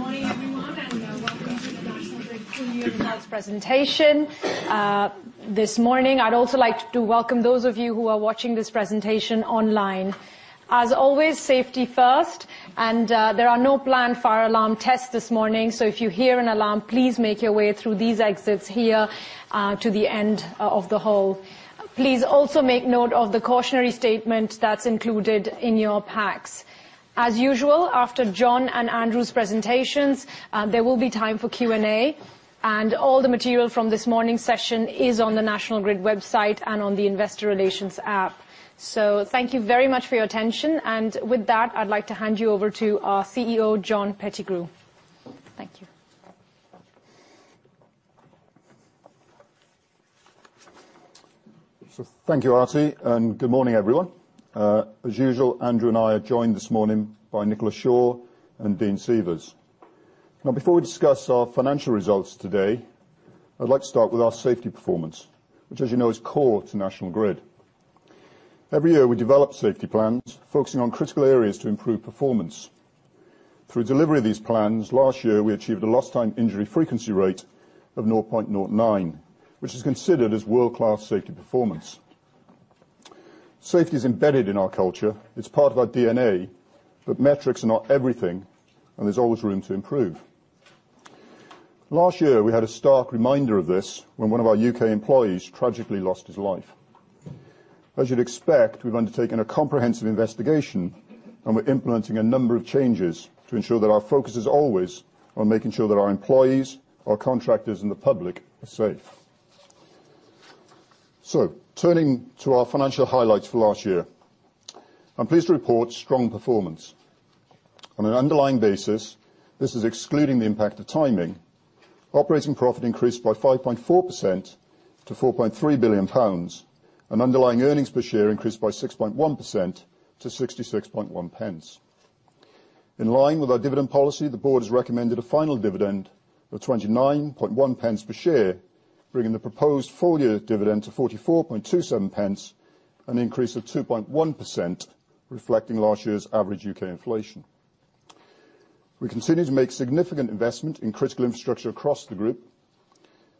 Good morning, everyone, and welcome to the National Grid Full Year Results presentation this morning. I'd also like to welcome those of you who are watching this presentation online. As always, safety first, and there are no planned fire alarm tests this morning, so if you hear an alarm, please make your way through these exits here to the end of the hall. Please also make note of the cautionary statement that's included in your packs. As usual, after John and Andrew's presentations, there will be time for Q&A, and all the material from this morning's session is on the National Grid website and on the Investor Relations app. So thank you very much for your attention, and with that, I'd like to hand you over to our CEO, John Pettigrew. Thank you. Thank you, Aarti, and good morning, everyone. As usual, Andrew and I are joined this morning by Nicola Shaw and Dean Seavers. Now, before we discuss our financial results today, I'd like to start with our safety performance, which, as you know, is core to National Grid. Every year, we develop safety plans focusing on critical areas to improve performance. Through delivery of these plans, last year we achieved a lost-time injury frequency rate of 0.09, which is considered world-class safety performance. Safety is embedded in our culture. It's part of our DNA, but metrics are not everything, and there's always room to improve. Last year, we had a stark reminder of this when one of our U.K. employees tragically lost his life. As you'd expect, we've undertaken a comprehensive investigation, and we're implementing a number of changes to ensure that our focus is always on making sure that our employees, our contractors, and the public are safe. Turning to our financial highlights for last year, I'm pleased to report strong performance. On an underlying basis, this is excluding the impact of timing, operating profit increased by 5.4% to 4.3 billion pounds, and underlying earnings per share increased by 6.1% to 0.661. In line with our dividend policy, the board has recommended a final dividend of 0.291 per share, bringing the proposed full-year dividend to 0.4427, an increase of 2.1%, reflecting last year's average U.K. inflation. We continue to make significant investment in critical infrastructure across the group,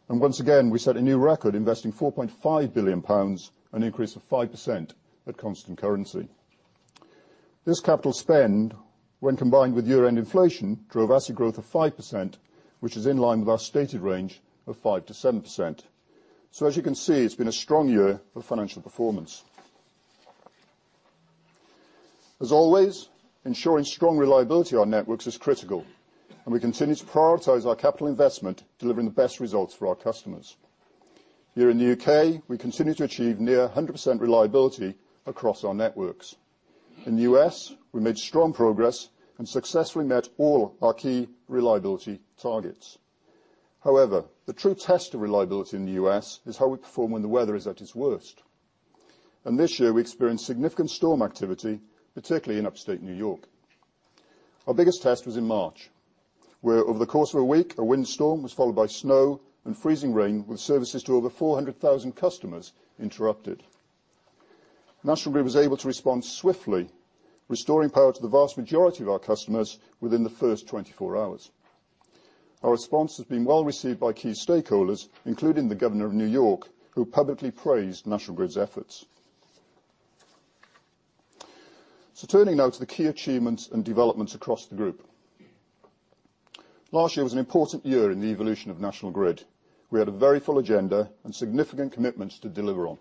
and once again, we set a new record, investing 4.5 billion pounds, an increase of 5% at constant currency. This capital spend, when combined with year-end inflation, drove asset growth of 5%, which is in line with our stated range of 5%-7%. So, as you can see, it's been a strong year for financial performance. As always, ensuring strong reliability of our networks is critical, and we continue to prioritize our capital investment, delivering the best results for our customers. Here in the U.K., we continue to achieve near 100% reliability across our networks. In the U.S., we made strong progress and successfully met all our key reliability targets. However, the true test of reliability in the U.S. is how we perform when the weather is at its worst, and this year we experienced significant storm activity, particularly in Upstate New York. Our biggest test was in March, where, over the course of a week, a windstorm was followed by snow and freezing rain, with services to over 400,000 customers interrupted. National Grid was able to respond swiftly, restoring power to the vast majority of our customers within the first 24 hours. Our response has been well received by key stakeholders, including the Governor of New York, who publicly praised National Grid's efforts. So, turning now to the key achievements and developments across the group. Last year was an important year in the evolution of National Grid. We had a very full agenda and significant commitments to deliver on.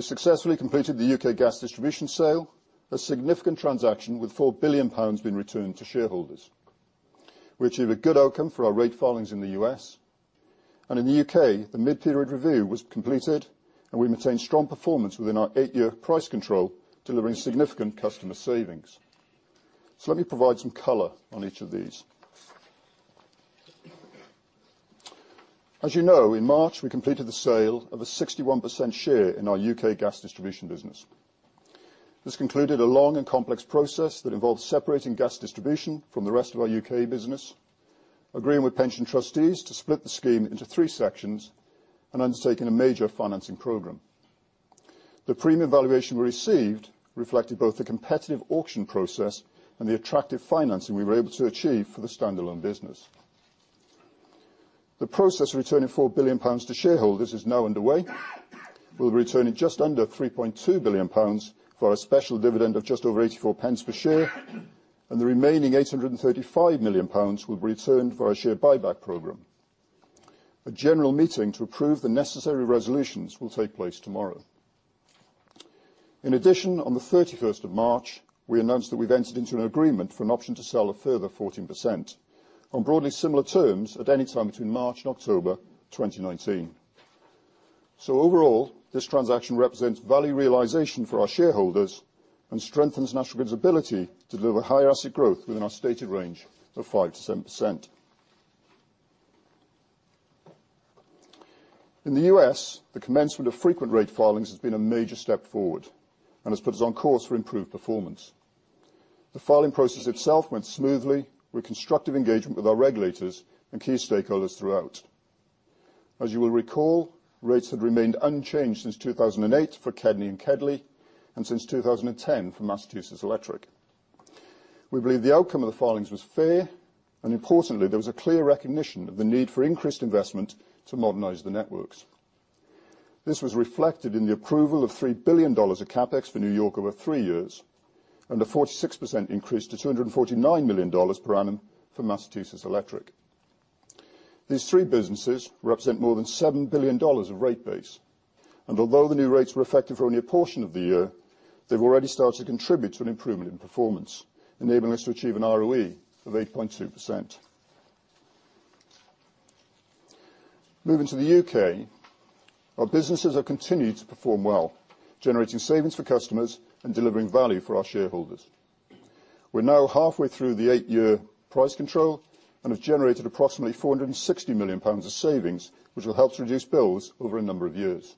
successfully completed the U.K. Gas Distribution sale, a significant transaction with 4 billion pounds being returned to shareholders. We achieved a good outcome for our rate filings in the U.S., and in the U.K., the mid-period review was completed, and we maintained strong performance within our eight-year price control, delivering significant customer savings. So, let me provide some color on each of these. As you know, in March, we completed the sale of a U.K. Gas Distribution business. this concluded a long and complex process Gas Distribution from the rest of our U.K. business, agreeing with pension trustees to split the scheme into three sections, and undertaking a major financing program. The premium valuation we received reflected both the competitive auction process and the attractive financing we were able to achieve for the standalone business. The process of returning 4 billion pounds to shareholders is now underway. We'll be returning just under 3.2 billion pounds for our special dividend of just over 0.84 per share, and the remaining 835 million pounds will be returned via a share buyback program. A general meeting to approve the necessary resolutions will take place tomorrow. In addition, on the 31st of March, we announced that we've entered into an agreement for an option to sell a further 14% on broadly similar terms at any time between March and October 2019. So, overall, this transaction represents value realization for our shareholders and strengthens National Grid's ability to deliver higher asset growth within our stated range of 5%-7%. In the U.S., the commencement of frequent rate filings has been a major step forward and has put us on course for improved performance. The filing process itself went smoothly with constructive engagement with our regulators and key stakeholders throughout. As you will recall, rates had remained unchanged since 2008 for KEDNY and KEDLI, and since 2010 for Massachusetts Electric. We believe the outcome of the filings was fair, and importantly, there was a clear recognition of the need for increased investment to modernize the networks. This was reflected in the approval of $3 billion of CAPEX for New York over three years, and a 46% increase to $249 million per annum for Massachusetts Electric. These three businesses represent more than $7 billion of rate base, and although the new rates were effective for only a portion of the year, they've already started to contribute to an improvement in performance, enabling us to achieve an ROE of 8.2%. Moving to the U.K., our businesses have continued to perform well, generating savings for customers and delivering value for our shareholders. We're now halfway through the eight-year price control and have generated approximately 460 million pounds of savings, which will help to reduce bills over a number of years.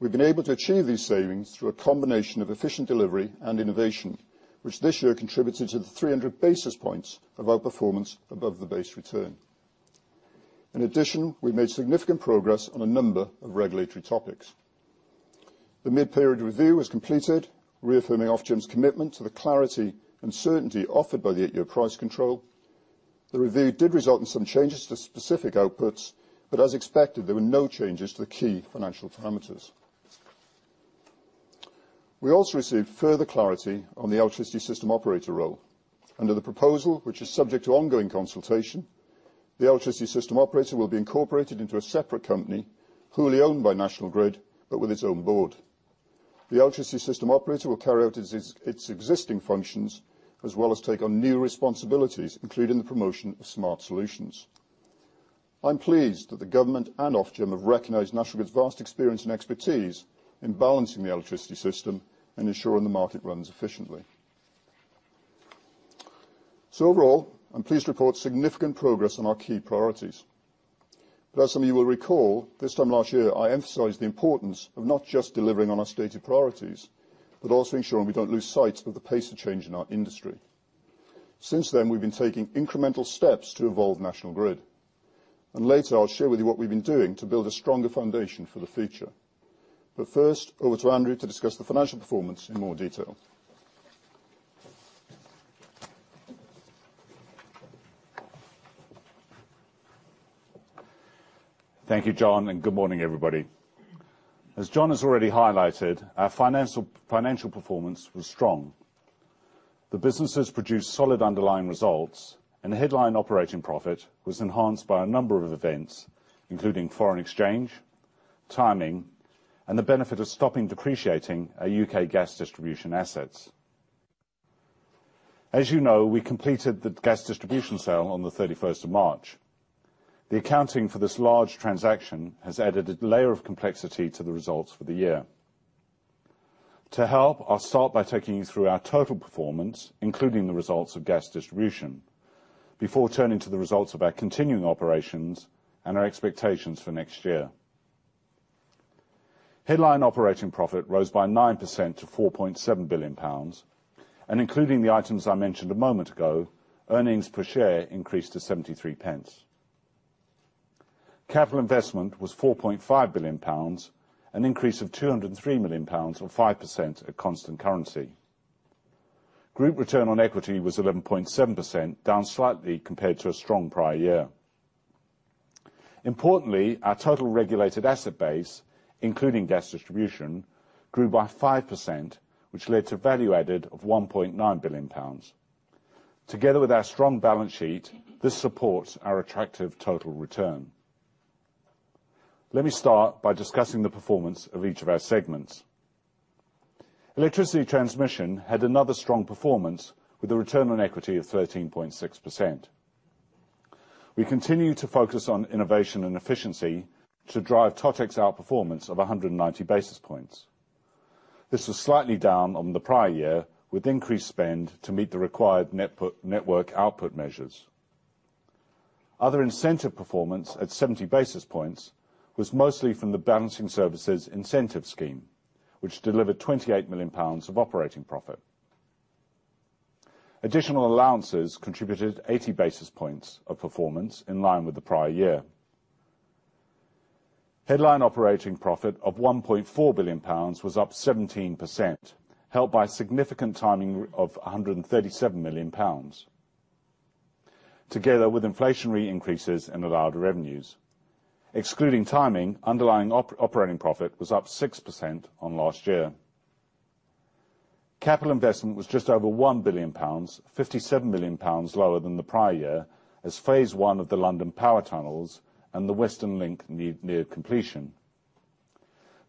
We've been able to achieve these savings through a combination of efficient delivery and innovation, which this year contributed to the 300 basis points of our performance above the base return. In addition, we've made significant progress on a number of regulatory topics. The mid-period review was completed, reaffirming Ofgem's commitment to the clarity and certainty offered by the eight-year price control. The review did result in some changes to specific outputs, but as expected, there were no changes to the key financial parameters. We also received further clarity on the Electricity System Operator role. Under the proposal, which is subject to ongoing consultation, the Electricity System Operator will be incorporated into a separate company, wholly owned by National Grid, but with its own Board. The Electricity System Operator will carry out its existing functions as well as take on new responsibilities, including the promotion of smart solutions. I'm pleased that the government and Ofgem have recognized National Grid's vast experience and expertise in balancing the electricity system and ensuring the market runs efficiently. So, overall, I'm pleased to report significant progress on our key priorities. But as some of you will recall, this time last year, I emphasized the importance of not just delivering on our stated priorities, but also ensuring we don't lose sight of the pace of change in our industry. Since then, we've been taking incremental steps to evolve National Grid, and later I'll share with you what we've been doing to build a stronger foundation for the future. But first, over to Andrew to discuss the financial performance in more detail. Thank you, John, and good morning, everybody. As John has already highlighted, our financial performance was strong. The businesses produced solid underlying results, and the headline operating profit was enhanced by a number of events, including foreign exchange, timing, and the benefit Gas Distribution sale on the 31st of March. The accounting for this large transaction has added a layer of complexity to the results for the year. To help, I'll start by taking you through our total performance, Gas Distribution, before turning to the results of our continuing operations and our expectations for next year. Headline operating profit rose by 9% to 4.7 billion pounds, and including the items I mentioned a moment ago, earnings per share increased to 0.73. Capital investment was 4.5 billion pounds, an increase of 203 million pounds or 5% at constant currency. Group return on equity was 11.7%, down slightly compared to a strong prior year. Importantly, our total Gas Distribution, grew by 5%, which led to a value added of 1.9 billion pounds. Together with our strong balance sheet, this supports our attractive total return. Let me start by discussing the performance of each of Electricity Transmission had another strong performance with a return on equity of 13.6%. We continue to focus on innovation and efficiency to drive TOTEX outperformance of 190 basis points. This was slightly down on the prior year, with increased spend to meet the required network output measures. Other incentive performance at 70 basis points was balancing services incentive scheme, which delivered gbp 28 million of operating profit. Additional allowances contributed 80 basis points of performance in line with the prior year. Headline operating profit of GBP 1.4 billion was up 17%, helped by significant timing of GBP 137 million, together with inflationary increases in allowed revenues. Excluding timing, underlying operating profit was up 6% on last year. Capital investment was just over 1 billion pounds, 57 million pounds lower than the prior year as phase one of the London Power Tunnels and the Western Link near completion.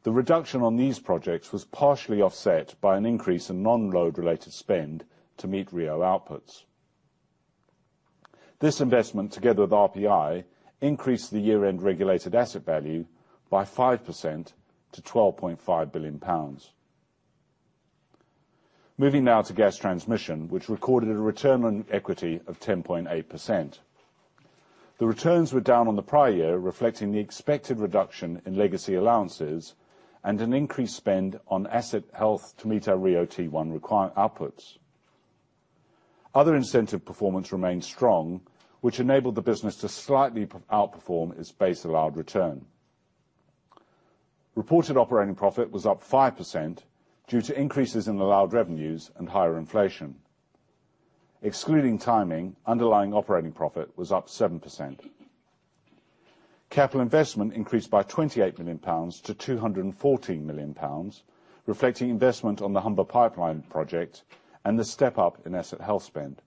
The reduction on these projects was partially offset by an increase in non-load related spend to meet RIIO outputs. This investment, together with RPI, increased the year-end regulated asset value by 5% to 12.5 billion pounds. Moving now to Gas Transmission, which recorded a return on equity of 10.8%. The returns were down on the prior year, reflecting the expected reduction in legacy allowances and an increased spend on asset health to meet our RIIO outputs. Other incentive performance remained strong, which enabled the business to slightly outperform its base allowed return. Reported operating profit was up 5% due to increases in allowed revenues and higher inflation. Excluding timing, underlying operating profit was up 7%. Capital investment increased by 28 million pounds to 214 million pounds, reflecting investment on the Humber Pipeline project and the step up in asset health spend.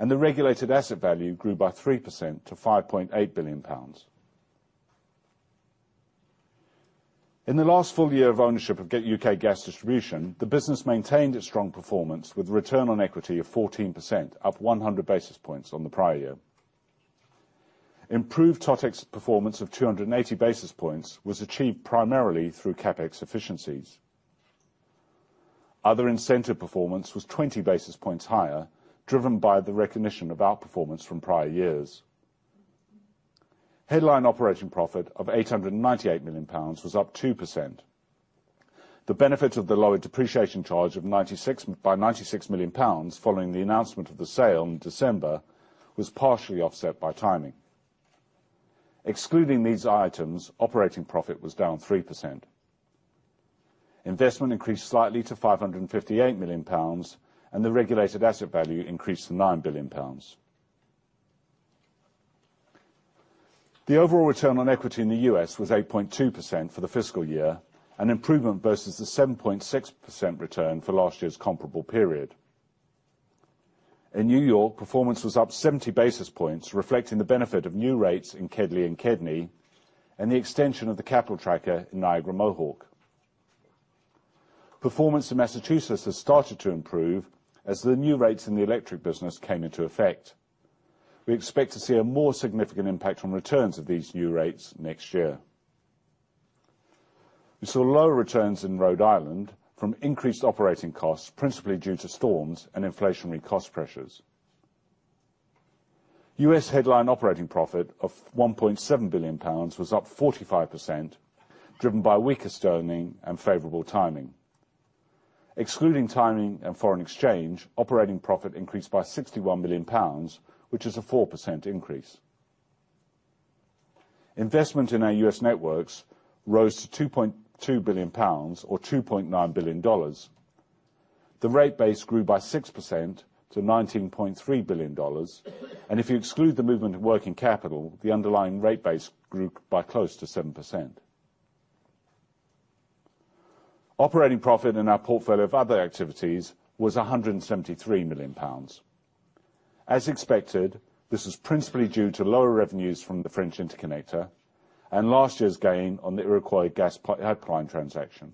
The regulated asset value grew by 3% to 5.8 billion pounds. In the last full U.K. Gas Distribution, the business maintained its strong performance with a return on equity of 14%, up 100 basis points on the prior year. Improved TOTEX performance of 280 basis points was achieved primarily through CAPEX efficiencies. Other incentive performance was 20 basis points higher, driven by the recognition of outperformance from prior years. Headline operating profit of GBP 898 million was up 2%. The benefit of the lower depreciation charge of GBP 96 million following the announcement of the sale in December was partially offset by timing. Excluding these items, operating profit was down 3%. Investment increased slightly to 558 million pounds, and the regulated asset value increased to 9 billion pounds. The overall return on equity in the U.S. was 8.2% for the fiscal year, an improvement versus the 7.6% return for last year's comparable period. In New York, performance was up 70 basis points, reflecting the benefit of new rates in KEDLI and KEDNY, and the extension of the capital tracker in Niagara Mohawk. Performance in Massachusetts has started to improve as the new rates in the electric business came into effect. We expect to see a more significant impact on returns of these new rates next year. We saw lower returns in Rhode Island from increased operating costs, principally due to storms and inflationary cost pressures. U.S. headline operating profit of 1.7 billion pounds was up 45%, driven by weaker sterling and favorable timing. Excluding timing and foreign exchange, operating profit increased by 61 million pounds, which is a 4% increase. Investment in our U.S. networks rose to 2.2 billion pounds, or $2.9 billion. The rate base grew by 6% to $19.3 billion, and if you exclude the movement of working capital, the underlying rate base grew by close to 7%. Operating profit in our portfolio of other activities was 173 million pounds. As expected, this was principally due to lower revenues from the French interconnector and last year's gain on the Iroquois gas pipeline transaction.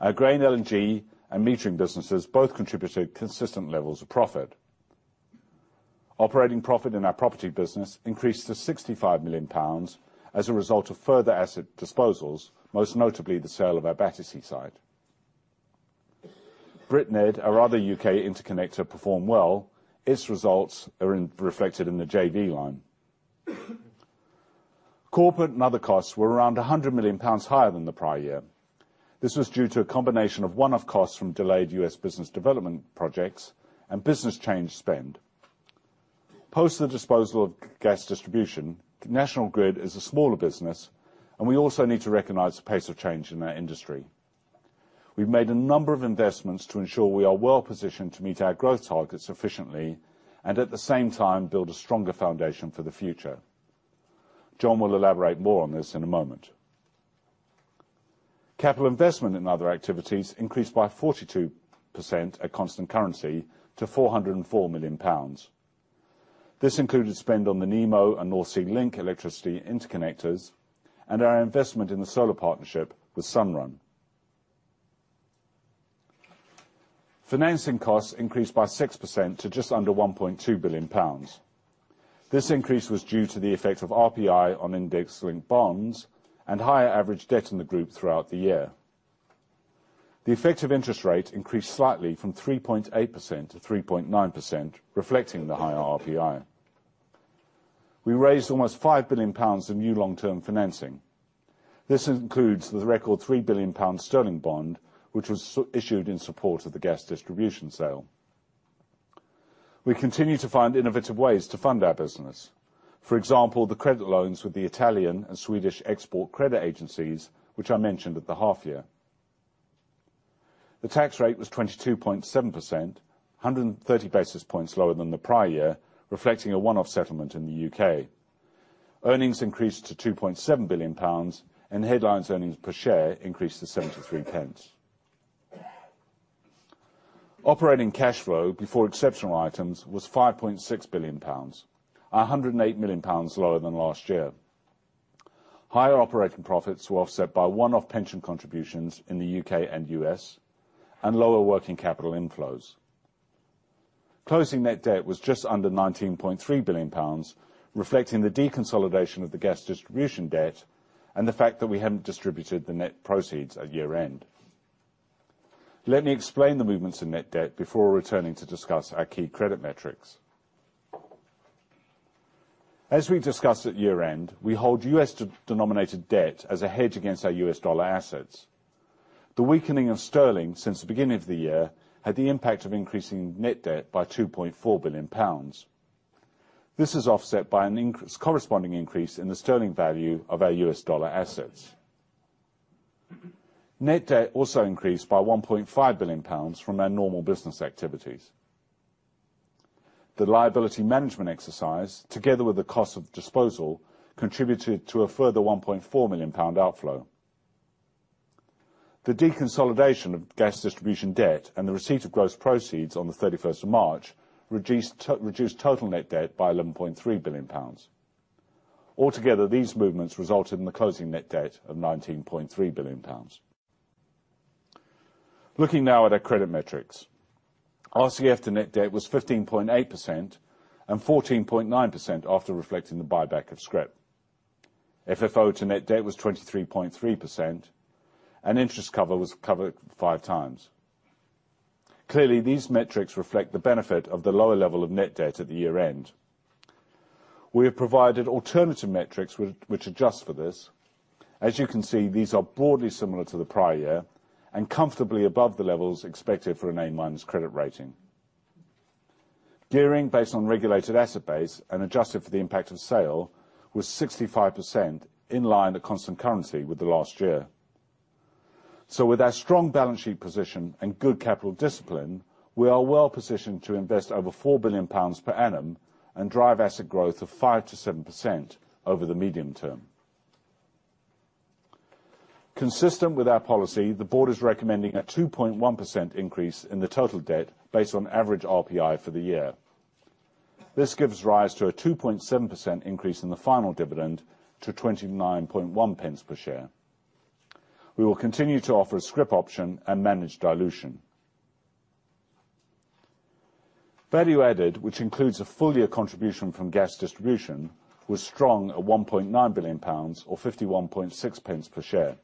Our Grain LNG and metering businesses both contributed consistent levels of profit. Operating profit in our property business increased to 65 million pounds as a result of further asset disposals, most notably the sale of our Battersea site. BritNed, our other U.K. interconnector, performed well. Its results are reflected in the JV line. Corporate and other costs were around 100 million pounds higher than the prior year. This was due to a combination of one-off costs from delayed U.S. business development projects and business change spend. Gas Distribution, national grid is a smaller business, and we also need to recognize the pace of change in our industry. We've made a number of investments to ensure we are well positioned to meet our growth targets efficiently and at the same time build a stronger foundation for the future. John will elaborate more on this in a moment. Capital investment in other activities increased by 42% at constant currency to 404 million pounds. This included spend on the Nemo and North Sea Link electricity interconnectors and our investment in the solar partnership with Sunrun. Financing costs increased by 6% to just under 1.2 billion pounds. This increase was due to the effect of RPI on index-linked bonds and higher average debt in the group throughout the year. The effective interest rate increased slightly from 3.8% to 3.9%, reflecting the higher RPI. We raised almost 5 billion pounds of new long-term financing. This includes the record 3 billion sterling bond, which was issued Gas Distribution sale. we continue to find innovative ways to fund our business. For example, the credit loans with the Italian and Swedish export credit agencies, which I mentioned at the half year. The tax rate was 22.7%, 130 basis points lower than the prior year, reflecting a one-off settlement in the U.K. Earnings increased to 2.7 billion pounds, and headline earnings per share increased to 0.73. Operating cash flow before exceptional items was 5.6 billion pounds, 108 million pounds lower than last year. Higher operating profits were offset by one-off pension contributions in the U.K. and U.S. and lower working capital inflows. Closing net debt was just under GBP 19.3 billion, reflecting Gas Distribution debt and the fact that we hadn't distributed the net proceeds at year-end. Let me explain the movements in net debt before returning to discuss our key credit metrics. As we discussed at year-end, we hold U.S.-denominated debt as a hedge against our U.S. dollar assets. The weakening of sterling since the beginning of the year had the impact of increasing net debt by 2.4 billion pounds. This is offset by a corresponding increase in the sterling value of our U.S. dollar assets. Net debt also increased by 1.5 billion pounds from our normal business activities. The liability management exercise, together with the cost of disposal, contributed to a further 1.4 million pound Gas Distribution debt and the receipt of gross proceeds on the 31st of March reduced total net debt by GBP 11.3 billion. Altogether, these movements resulted in the closing net debt of GBP 19.3 billion. Looking now at our credit metrics, RCF to net debt was 15.8% and 14.9% after reflecting the buyback of scrip. FFO to net debt was 23.3%, and interest cover was covered five times. Clearly, these metrics reflect the benefit of the lower level of net debt at the year-end. We have provided alternative metrics which adjust for this. As you can see, these are broadly similar to the prior year and comfortably above the levels expected for an A-minus credit rating. Gearing based on regulated asset base and adjusted for the impact of sale was 65% in line at constant currency with the last year. So, with our strong balance sheet position and good capital discipline, we are well positioned to invest over 4 billion pounds per annum and drive asset growth of 5%-7% over the medium term. Consistent with our policy, the board is recommending a 2.1% increase in the total dividend based on average RPI for the year. This gives rise to a 2.7% increase in the final dividend to 0.291 per share. We will continue to offer a scrip option and managed dilution. Value added, which includes a Gas Distribution, was strong at gbp 1.9 billion, or 0.516 per share.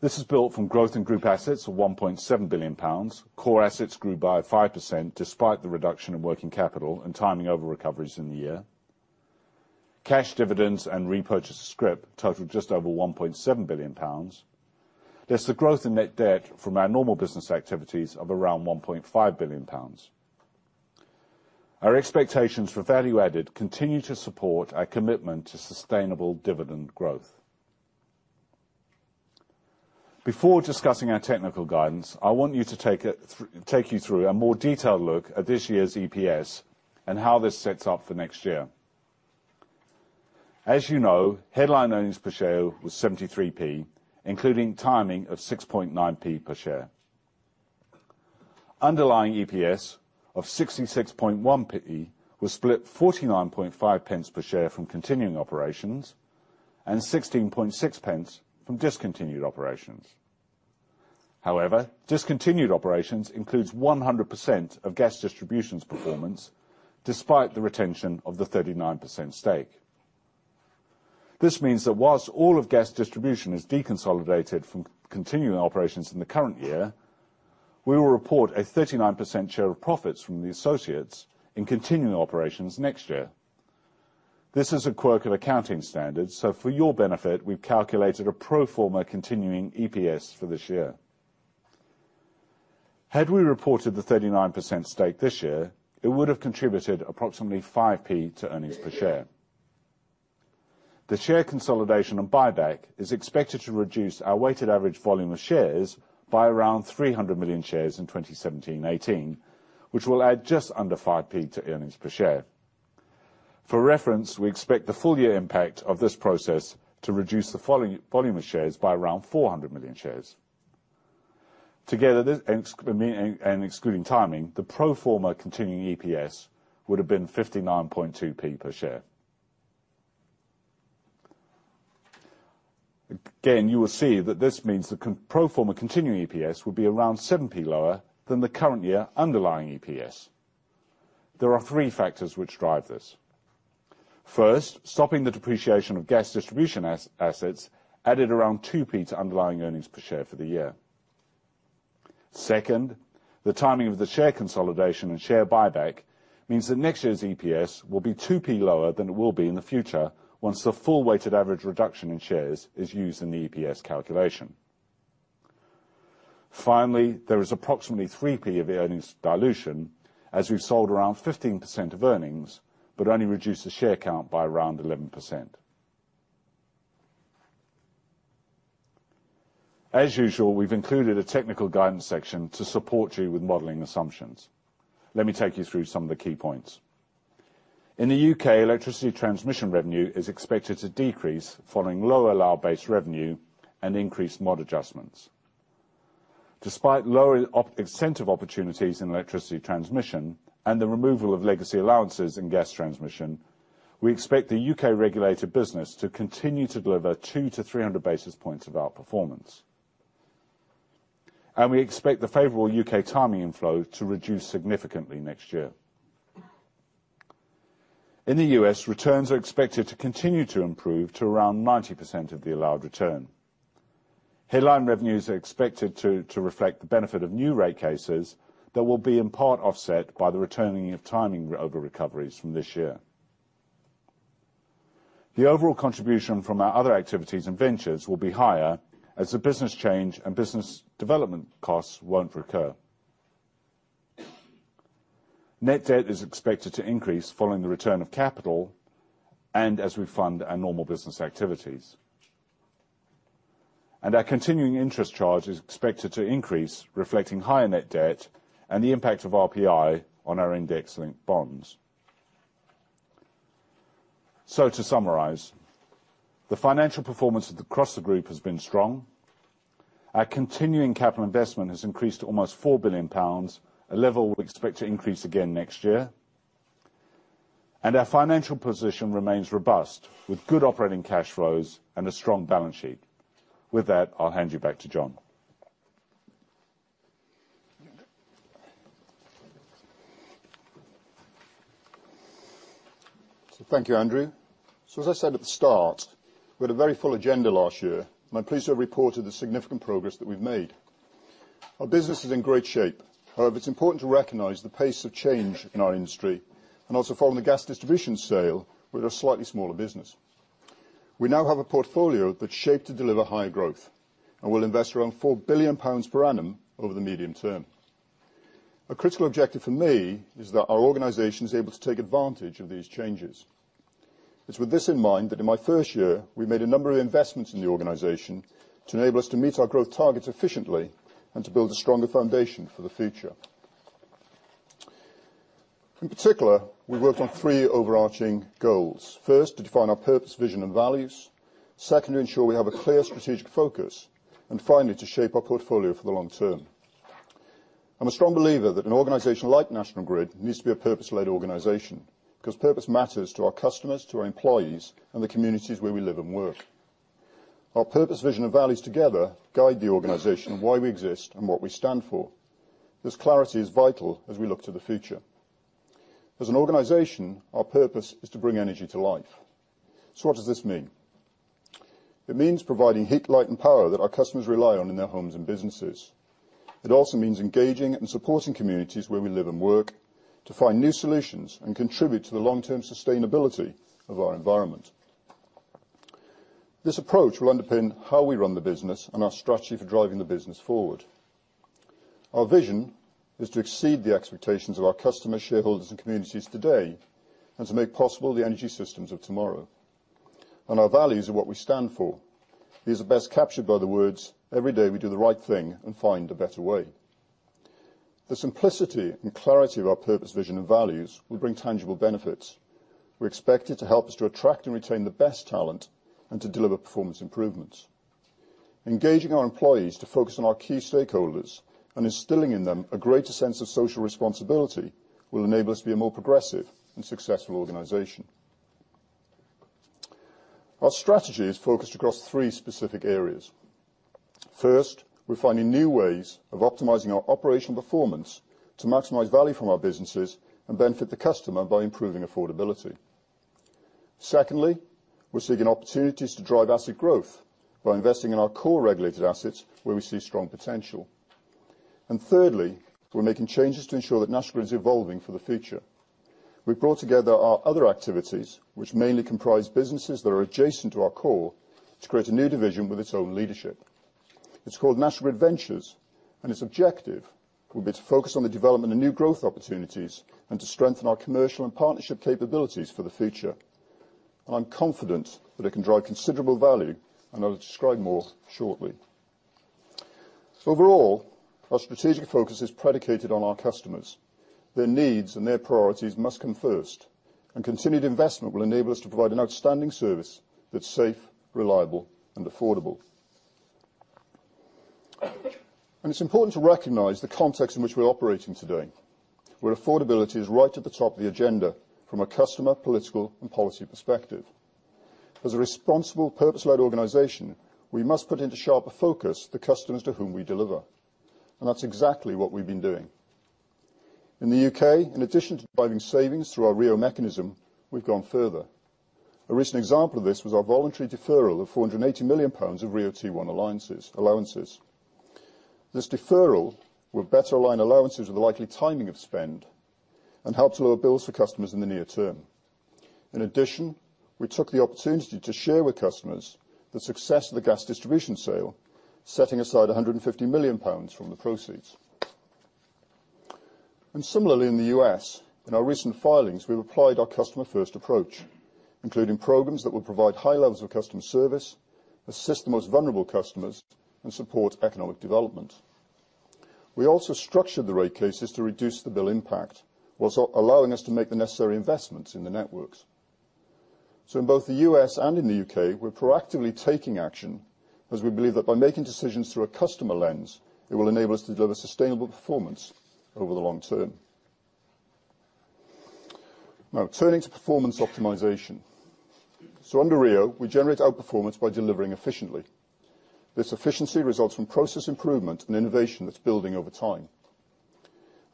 This is built from growth in group assets of GBP 1.7 billion. Core assets grew by 5% despite the reduction in working capital and timing over recoveries in the year. Cash, dividends, and repurchase of scrip totaled just over GBP 1.7 billion. There's the growth in net debt from our normal business activities of around GBP 1.5 billion. Our expectations for value added continue to support our commitment to sustainable dividend growth. Before discussing our technical guidance, I want to take you through a more detailed look at this year's EPS and how this sets up for next year. As you know, headline earnings per share was 0.73, including timing of 0.069 per share. Underlying EPS of 0.661 was split 0.495 per share from continuing operations and 0.166 from discontinued operations. However, discontinued Gas Distribution's performance despite the retention of the 39% stake. This means Gas Distribution is deconsolidated from continuing operations in the current year, we will report a 39% share of profits from the associates in continuing operations next year. This is a quirk of accounting standards, so for your benefit, we've calculated a pro forma continuing EPS for this year. Had we reported the 39% stake this year, it would have contributed approximately 0.05 to earnings per share. The share consolidation and buyback is expected to reduce our weighted average volume of shares by around 300 million shares in 2017-18, which will add just under 0.05 to earnings per share. For reference, we expect the full year impact of this process to reduce the volume of shares by around 400 million shares. Together, and excluding timing, the pro forma continuing EPS would have been 0.592 per share. Again, you will see that this means the pro forma continuing EPS would be around 0.07 lower than the current year underlying EPS. There are three factors which drive this. First, Gas Distribution assets added around gbp 0.02 to underlying earnings per share for the year. Second, the timing of the share consolidation and share buyback means that next year's EPS will be 0.02 lower than it will be in the future once the full weighted average reduction in shares is used in the EPS calculation. Finally, there is approximately 0.03 of earnings dilution as we've sold around 15% of earnings but only reduced the share count by around 11%. As usual, we've included a technical guidance section to support you with modeling assumptions. Let me take you through some of the key points. In Electricity Transmission revenue is expected to decrease following lower allowed base revenue and increased MOD adjustments. Despite lower incentive Electricity Transmission and the removal of legacy allowances in Gas Transmission, we expect the U.K. regulated business to continue to deliver 200-300 basis points of our performance, and we expect the favorable U.K. timing inflow to reduce significantly next year. In the U.S., returns are expected to continue to improve to around 90% of the allowed return. Headline revenues are expected to reflect the benefit of new rate cases that will be in part offset by the returning of timing over recoveries from this year. The overall contribution from our other activities and ventures will be higher as the business change and business development costs won't recur. Net debt is expected to increase following the return of capital and as we fund our normal business activities. And our continuing interest charge is expected to increase, reflecting higher net debt and the impact of RPI on our index-linked bonds. So, to summarise, the financial performance across the group has been strong. Our continuing capital investment has increased to almost 4 billion pounds, a level we expect to increase again next year. And our financial position remains robust with good operating cash flows and a strong balance sheet. With that, I'll hand you back to John. Thank you, Andrew. So, as I said at the start, we had a very full agenda last year, and I'm pleased to have reported the significant progress that we've made. Our business is in great shape. However, it's important to recognize the pace of change in our industry Gas Distribution sale, we're a slightly smaller business. We now have a portfolio that's shaped to deliver higher growth and will invest around 4 billion pounds per annum over the medium term. A critical objective for me is that our organization is able to take advantage of these changes. It's with this in mind that in my first year, we made a number of investments in the organization to enable us to meet our growth targets efficiently and to build a stronger foundation for the future. In particular, we worked on three overarching goals. First, to define our purpose, vision, and values. Second, to ensure we have a clear strategic focus. And finally, to shape our portfolio for the long term. I'm a strong believer that an organization like National Grid needs to be a purpose-led organization because purpose matters to our customers, to our employees, and the communities where we live and work. Our purpose, vision, and values together guide the organization of why we exist and what we stand for. This clarity is vital as we look to the future. As an organization, our purpose is to bring energy to life. So, what does this mean? It means providing heat, light, and power that our customers rely on in their homes and businesses. It also means engaging and supporting communities where we live and work to find new solutions and contribute to the long-term sustainability of our environment. This approach will underpin how we run the business and our strategy for driving the business forward. Our vision is to exceed the expectations of our customers, shareholders, and communities today and to make possible the energy systems of tomorrow. And our values are what we stand for. These are best captured by the words, "Every day we do the right thing and find a better way." The simplicity and clarity of our purpose, vision, and values will bring tangible benefits. We're expected to help us to attract and retain the best talent and to deliver performance improvements. Engaging our employees to focus on our key stakeholders and instilling in them a greater sense of social responsibility will enable us to be a more progressive and successful organization. Our strategy is focused across three specific areas. First, we're finding new ways of optimizing our operational performance to maximize value from our businesses and benefit the customer by improving affordability. Secondly, we're seeking opportunities to drive asset growth by investing in our core regulated assets where we see strong potential. And thirdly, we're making changes to ensure that National Grid is evolving for the future. We've brought together our other activities, which mainly comprise businesses that are adjacent to our core, to create a new division with its own leadership. It's called National Grid Ventures, and its objective will be to focus on the development of new growth opportunities and to strengthen our commercial and partnership capabilities for the future. And I'm confident that it can drive considerable value, and I'll describe more shortly. Overall, our strategic focus is predicated on our customers. Their needs and their priorities must come first, and continued investment will enable us to provide an outstanding service that's safe, reliable, and affordable. And it's important to recognize the context in which we're operating today, where affordability is right at the top of the agenda from a customer, political, and policy perspective. As a responsible, purpose-led organization, we must put into sharper focus the customers to whom we deliver. And that's exactly what we've been doing. In the U.K., in addition to driving savings through our RIIO mechanism, we've gone further. A recent example of this was our voluntary deferral of 480 million pounds of RIIO-T1 allowances. This deferral will better align allowances with the likely timing of spend and help to lower bills for customers in the near term. In addition, we took the opportunity to share with customers Gas Distribution sale, setting aside gbp 150 million from the proceeds, and similarly, in the U.S., in our recent filings, we've applied our customer-first approach, including programs that will provide high levels of customer service, assist the most vulnerable customers, and support economic development. We also structured the rate cases to reduce the bill impact, while allowing us to make the necessary investments in the networks, so in both the U.S. and in the U.K., we're proactively taking action as we believe that by making decisions through a customer lens, it will enable us to deliver sustainable performance over the long term. Now, turning to performance optimization, so under RIIO, we generate our performance by delivering efficiently. This efficiency results from process improvement and innovation that's building over time.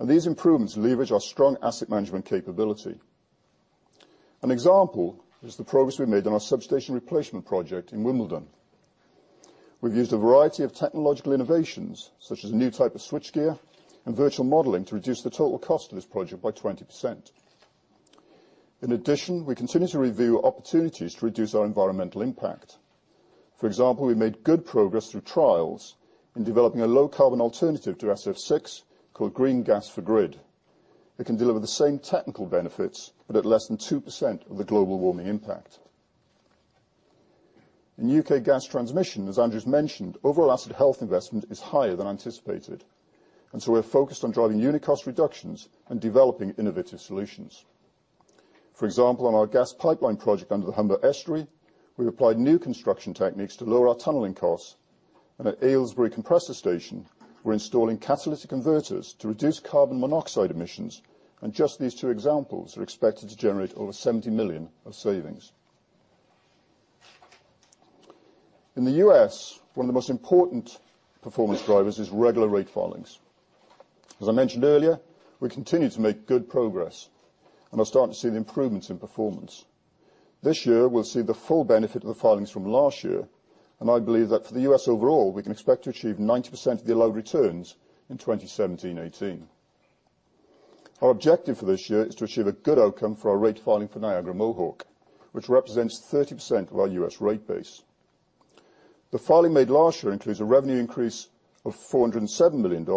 These improvements leverage our strong asset management capability. An example is the progress we've made on our substation replacement project in Wimbledon. We've used a variety of technological innovations, such as a new type of switchgear and virtual modelling, to reduce the total cost of this project by 20%. In addition, we continue to review opportunities to reduce our environmental impact. For example, we made good progress through trials in developing a low-carbon alternative to SF6 called Green Gas for Grid. It can deliver the same technical benefits, but at less than 2% of the global warming impact. In U.K. Gas Transmission, as Andrew's mentioned, overall asset health investment is higher than anticipated. So, we're focused on driving unit cost reductions and developing innovative solutions. For example, on our gas pipeline project under the Humber Estuary, we've applied new construction techniques to lower our tunnelling costs. And at Aylesbury Compressor Station, we're installing catalytic converters to reduce carbon monoxide emissions. And just these two examples are expected to generate over 70 million of savings. In the U.S., one of the most important performance drivers is regular rate filings. As I mentioned earlier, we continue to make good progress, and we're starting to see the improvements in performance. This year, we'll see the full benefit of the filings from last year. And I believe that for the U.S. overall, we can expect to achieve 90% of the allowed returns in 2017-18. Our objective for this year is to achieve a good outcome for our rate filing for Niagara Mohawk, which represents 30% of our U.S. rate base. The filing made last year includes a revenue increase of $407 million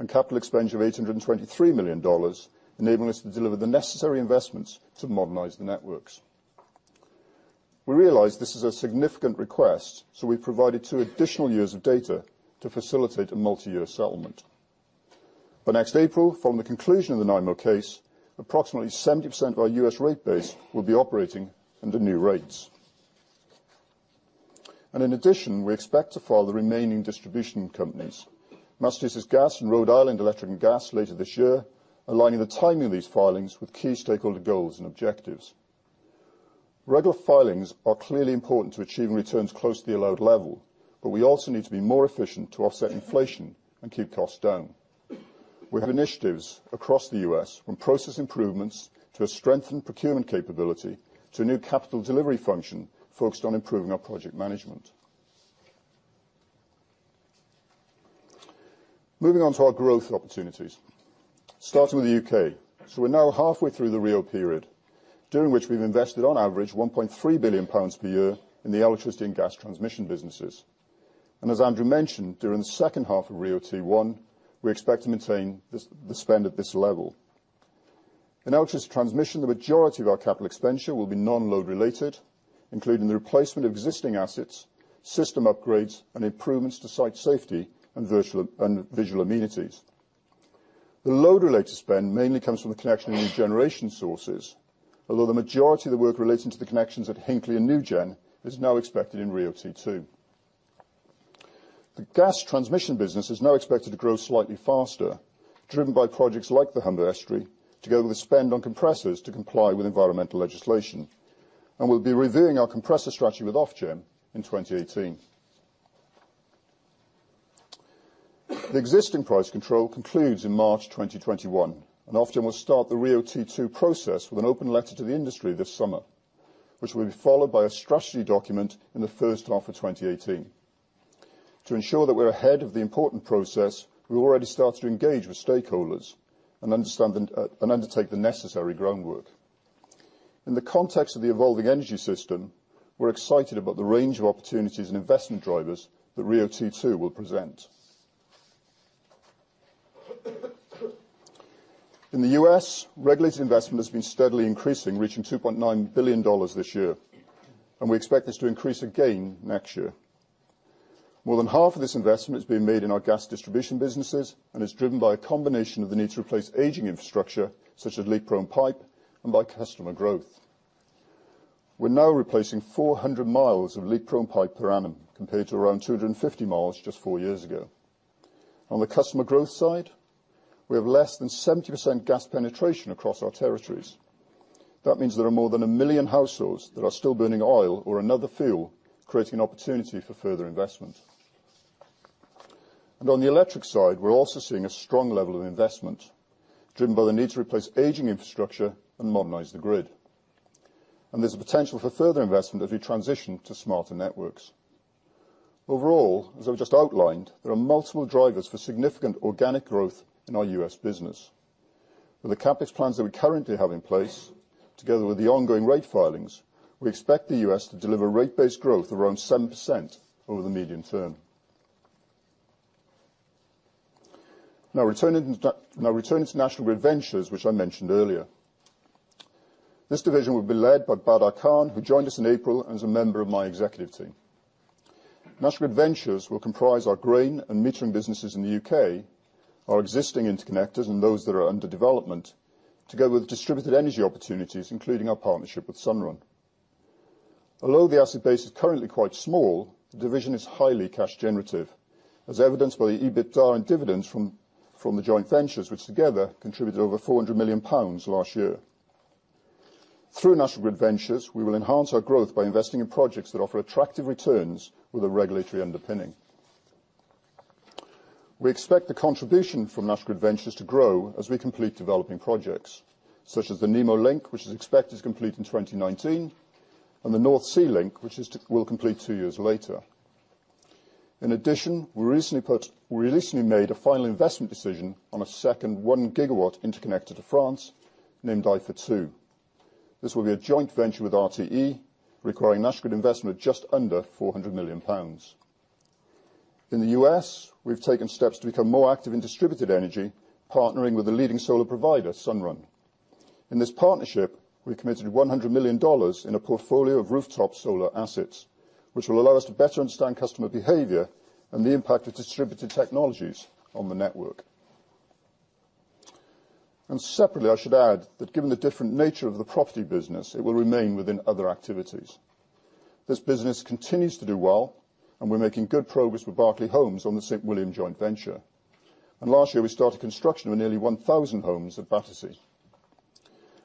and capital expenditure of $823 million, enabling us to deliver the necessary investments to modernize the networks. We realize this is a significant request, so we've provided two additional years of data to facilitate a multi-year settlement. By next April, following the conclusion of the NiMo case, approximately 70% of our U.S. rate base will be operating under new rates, and in addition, we expect to file the remaining distribution companies, Massachusetts Gas and Rhode Island Electric and Gas, later this year, aligning the timing of these filings with key stakeholder goals and objectives. Regular filings are clearly important to achieving returns close to the allowed level, but we also need to be more efficient to offset inflation and keep costs down. We have initiatives across the U.S. from process improvements to a strengthened procurement capability to a new capital delivery function focused on improving our project management. Moving on to our growth opportunities, starting with the U.K. We're now halfway through the RIIO period, during which we've invested, on average, 1.3 billion pounds per year in the Electricity and Gas Transmission businesses. As Andrew mentioned, during the second half of RIIO-T1, we expect to maintain the spend at this Electricity Transmission, the majority of our capital expenditure will be non-load related, including the replacement of existing assets, system upgrades, and improvements to site safety and visual amenities. The load related spend mainly comes from the connection of new generation sources, although the majority of the work relating to the connections at Hinkley and NuGen is now expected in RIIO-T2. The Gas Transmission business is now expected to grow slightly faster, driven by projects like the Humber Estuary, together with the spend on compressors to comply with environmental legislation. We'll be reviewing our compressor strategy with Ofgem in 2018. The existing price control concludes in March 2021, and Ofgem will start the RIIO-T2 process with an open letter to the industry this summer, which will be followed by a strategy document in the first half of 2018. To ensure that we're ahead of the important process, we've already started to engage with stakeholders and undertake the necessary groundwork. In the context of the evolving energy system, we're excited about the range of opportunities and investment drivers that RIIO-T2 will present. In the U.S., regulated investment has been steadily increasing, reaching $2.9 billion this year, and we expect this to increase again next year. More than half of this investment is Gas Distribution businesses, and it's driven by a combination of the need to replace aging infrastructure, such as leak-prone pipe, and by customer growth. We're now replacing 400 mi of leak-prone pipe per annum, compared to around 250 mi just four years ago. On the customer growth side, we have less than 70% gas penetration across our territories. That means there are more than a million households that are still burning oil or another fuel, creating an opportunity for further investment. And on the electric side, we're also seeing a strong level of investment, driven by the need to replace aging infrastructure and modernize the grid. And there's a potential for further investment as we transition to smarter networks. Overall, as I've just outlined, there are multiple drivers for significant organic growth in our U.S. business. With the CAPEX plans that we currently have in place, together with the ongoing rate filings, we expect the U.S. to deliver rate-based growth of around 7% over the medium term. Now, returning to National Grid Ventures, which I mentioned earlier. This division will be led by Badar Khan, who joined us in April and is a member of my executive team. National Grid Ventures will comprise our Grain and metering businesses in the U.K., our existing interconnectors, and those that are under development, together with distributed energy opportunities, including our partnership with Sunrun. Although the asset base is currently quite small, the division is highly cash-generative, as evidenced by the EBITDA and dividends from the joint ventures, which together contributed over 400 million pounds last year. Through National Grid Ventures, we will enhance our growth by investing in projects that offer attractive returns with a regulatory underpinning. We expect the contribution from National Grid Ventures to grow as we complete developing projects, such as the Nemo Link, which is expected to complete in 2019, and the North Sea Link, which will complete two years later. In addition, we recently made a final investment decision on a second 1 GW interconnector to France, named IFA2. This will be a joint venture with RTE, requiring National Grid investment of just under 400 million pounds. In the U.S., we've taken steps to become more active in distributed energy, partnering with the leading solar provider, Sunrun. In this partnership, we've committed $100 million in a portfolio of rooftop solar assets, which will allow us to better understand customer behavior and the impact of distributed technologies on the network. And separately, I should add that given the different nature of the property business, it will remain within other activities. This business continues to do well, and we're making good progress with Berkeley Homes on the St William joint venture. And last year, we started construction of nearly 1,000 homes at Battersea.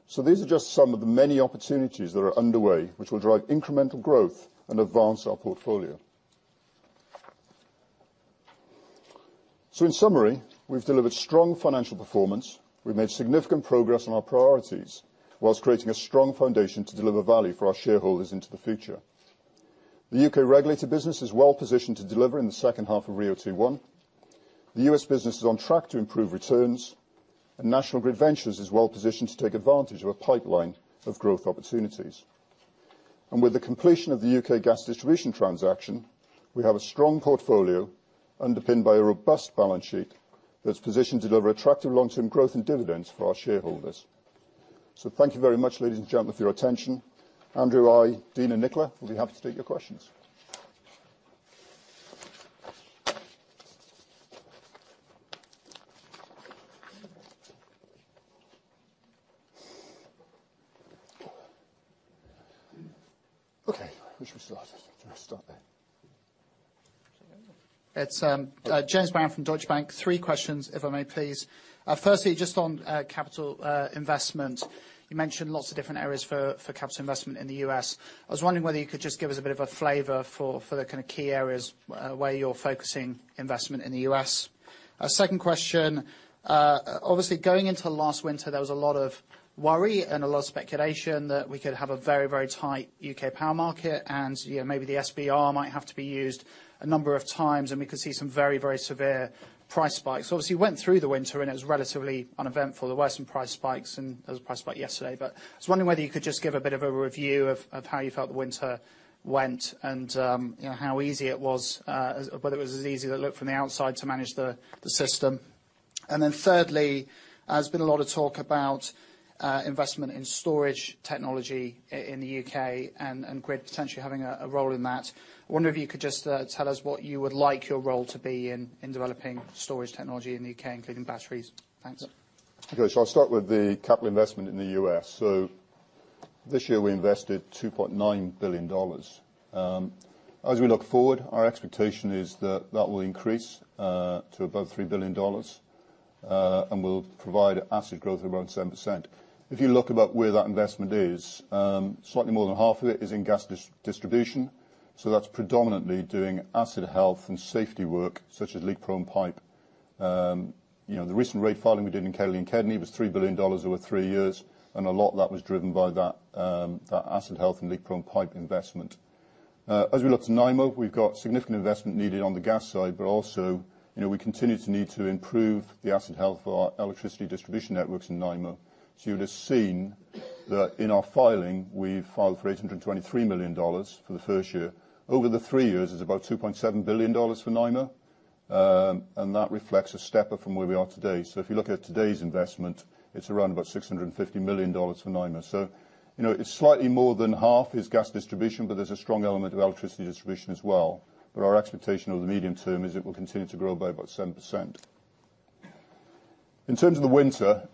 So, these are just some of the many opportunities that are underway, which will drive incremental growth and advance our portfolio. So, in summary, we've delivered strong financial performance. We've made significant progress on our priorities, whilst creating a strong foundation to deliver value for our shareholders into the future. The U.K. regulated business is well positioned to deliver in the second half of RIIO-T1. The U.S. business is on track to improve returns, and National Grid Ventures is well positioned to take advantage of a pipeline of growth opportunities. With U.K. Gas Distribution transaction, we have a strong portfolio underpinned by a robust balance sheet that's positioned to deliver attractive long-term growth and dividends for our shareholders. Thank you very much, ladies and gentlemen, for your attention. Andrew, I, Dean, and Nicola will be happy to take your questions. Okay, should we start there? It's James Brown from Deutsche Bank. Three questions, if I may, please. Firstly, just on capital investment, you mentioned lots of different areas for capital investment in the U.S. I was wondering whether you could just give us a bit of a flavour for the kind of key areas where you're focusing investment in the U.S. Second question, obviously, going into last winter, there was a lot of worry and a lot of speculation that we could have a very, very tight U.K. power market, and maybe the SBR might have to be used a number of times, and we could see some very, very severe price spikes. Obviously, you went through the winter, and it was relatively uneventful. There were some price spikes, and there was a price spike yesterday. But I was wondering whether you could just give a bit of a review of how you felt the winter went and how easy it was, whether it was as easy as it looked from the outside to manage the system? And then thirdly, there's been a lot of talk about investment in storage technology in the U.K. and grid potentially having a role in that. I wonder if you could just tell us what you would like your role to be in developing storage technology in the U.K., including batteries? Thanks. Okay, so I'll start with the capital investment in the U.S. So, this year, we invested $2.9 billion. As we look forward, our expectation is that that will increase to above $3 billion, and we'll provide asset growth of around 7%. If you look about where that investment is, slightly more than half Gas Distribution. so, that's predominantly doing asset health and safety work, such as leak-prone pipe. The recent rate filing we did in KEDLI and KEDNY was $3 billion over three years, and a lot of that was driven by that asset health and leak-prone pipe investment. As we look to NiMo, we've got significant investment needed on the gas side, but also we continue to need to improve the asset health for our electricity distribution networks in NiMo. So, you would have seen that in our filing, we filed for $823 million for the first year. Over the three years, it's about $2.7 billion for NiMo, and that reflects a step up from where we are today. So, if you look at today's investment, it's around about $650 million for NiMo. So, it's slightly Gas Distribution, but there's a strong element of electricity distribution as well. But our expectation over the medium term is it will continue to grow by about 7%. In terms of the winter,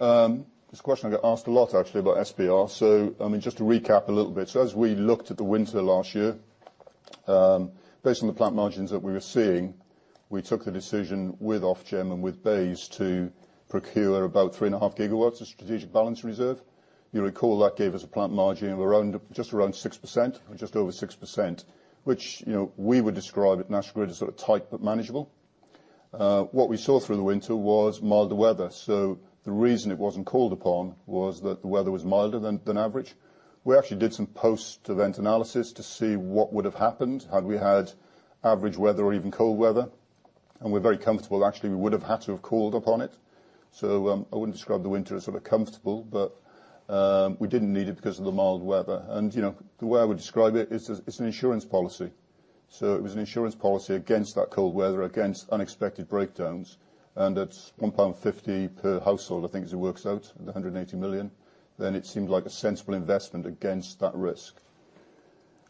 this question I get asked a lot, actually, about SBR. I mean, just to recap a little bit, as we looked at the winter last year, based on the plant margins that we were seeing, we took the decision with Ofgem and with BEIS to procure about 3.5 GW of strategic balancing reserve. You recall that gave us a plant margin of just around 6%, just over 6%, which we would describe at National Grid as sort of tight but manageable. What we saw through the winter was milder weather. The reason it wasn't called upon was that the weather was milder than average. We actually did some post-event analysis to see what would have happened had we had average weather or even cold weather. We're very comfortable, actually. We would have had to have called upon it. I wouldn't describe the winter as sort of comfortable, but we didn't need it because of the mild weather. And the way I would describe it is it's an insurance policy. So, it was an insurance policy against that cold weather, against unexpected breakdowns. And at 1.50 per household, I think, as it works out, the 180 million, then it seemed like a sensible investment against that risk.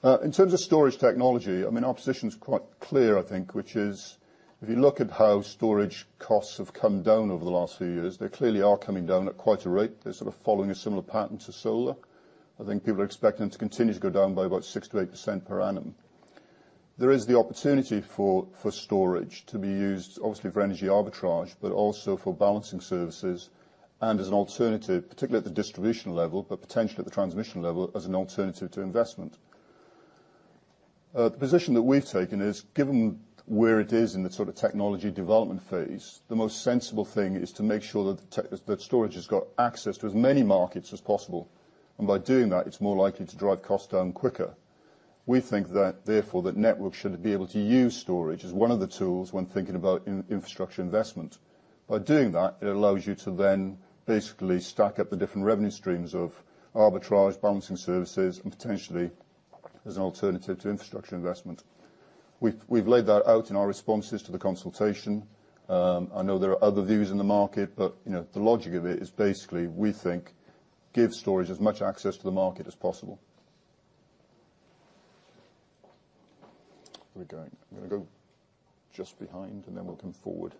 In terms of storage technology, I mean, our position is quite clear, I think, which is if you look at how storage costs have come down over the last few years, they clearly are coming down at quite a rate. They're sort of following a similar pattern to solar. I think people are expecting them to continue to go down by about 6%-8% per annum. There is the opportunity for storage to be used, obviously, for energy arbitrage, but also for balancing services and as an alternative, particularly at the distribution level, but potentially at the transmission level as an alternative to investment. The position that we've taken is, given where it is in the sort of technology development phase, the most sensible thing is to make sure that storage has got access to as many markets as possible, and by doing that, it's more likely to drive costs down quicker. We think that, therefore, that networks should be able to use storage as one of the tools when thinking about infrastructure investment. By doing that, it allows you to then basically stack up the different revenue streams of arbitrage, balancing services, and potentially as an alternative to infrastructure investment. We've laid that out in our responses to the consultation. I know there are other views in the market, but the logic of it is basically, we think, give storage as much access to the market as possible. Where are we going? I'm going to go just behind, and then we'll come forward.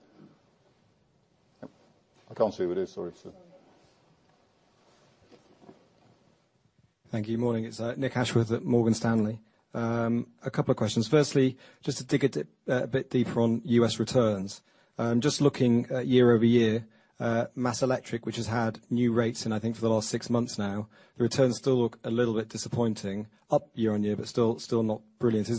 I can't see who it is. Sorry. Thank you. Morning. It's Nick Ashworth at Morgan Stanley. A couple of questions. Firstly, just to dig a bit deeper on U.S. returns. Just looking year over year, Massachusetts Electric, which has had new rates in, I think, for the last six months now, the returns still look a little bit disappointing, up year on year, but still not brilliant.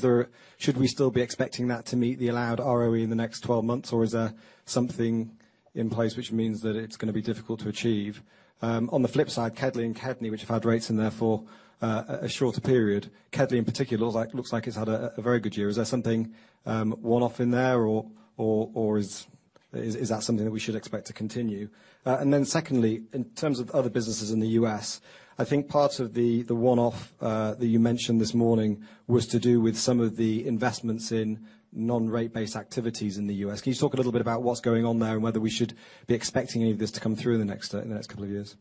Should we still be expecting that to meet the allowed ROE in the next 12 months, or is there something in place which means that it's going to be difficult to achieve? On the flip side, KEDLI and KEDNY, which have had rates in there for a shorter period, KEDLI, in particular, looks like it's had a very good year. Is there something one-off in there, or is that something that we should expect to continue? And then secondly, in terms of other businesses in the U.S., I think part of the one-off that you mentioned this morning was to do with some of the investments in non-rate-based activities in the U.S. Can you talk a little bit about what's going on there and whether we should be expecting any of this to come through in the next couple of years?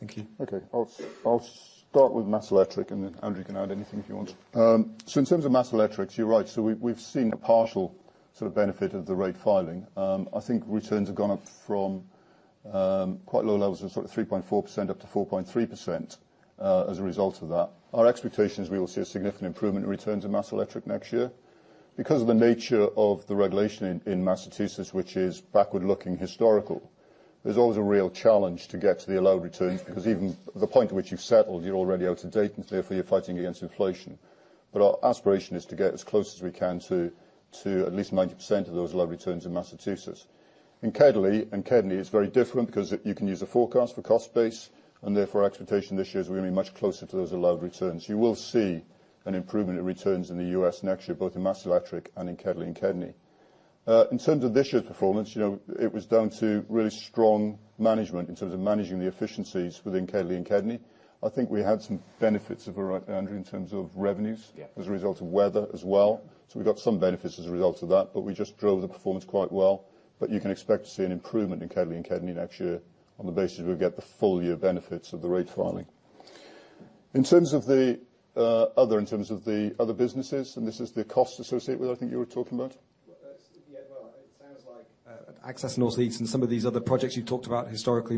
Thank you. Okay. I'll start with Mass Electric, and then Andrew can add anything if he wants. So, in terms of Mass Electric, you're right. So, we've seen a partial sort of benefit of the rate filing. I think returns have gone up from quite low levels of sort of 3.4% up to 4.3% as a result of that. Our expectation is we will see a significant improvement in returns in Mass Electric next year. Because of the nature of the regulation in Massachusetts, which is backward-looking historical, there's always a real challenge to get to the allowed returns because even the point at which you've settled, you're already out of date, and therefore you're fighting against inflation. But our aspiration is to get as close as we can to at least 90% of those allowed returns in Massachusetts. In KEDLI and KEDNY, it's very different because you can use a forecast for cost base, and therefore our expectation this year is we're going to be much closer to those allowed returns. You will see an improvement in returns in the U.S. next year, both in Mass Electric and in KEDLI and KEDNY. In terms of this year's performance, it was down to really strong management in terms of managing the efficiencies within KEDLI and KEDNY. I think we had some benefits of, Andrew, in terms of revenues as a result of weather as well. So, we got some benefits as a result of that, but we just drove the performance quite well. But you can expect to see an improvement in KEDLI and KEDNY next year on the basis we get the full year benefits of the rate filing. In terms of the other businesses, and this is the cost associated with it, I think you were talking about. Yeah, well, it sounds like Access Northeast and some of these other projects you've talked about historically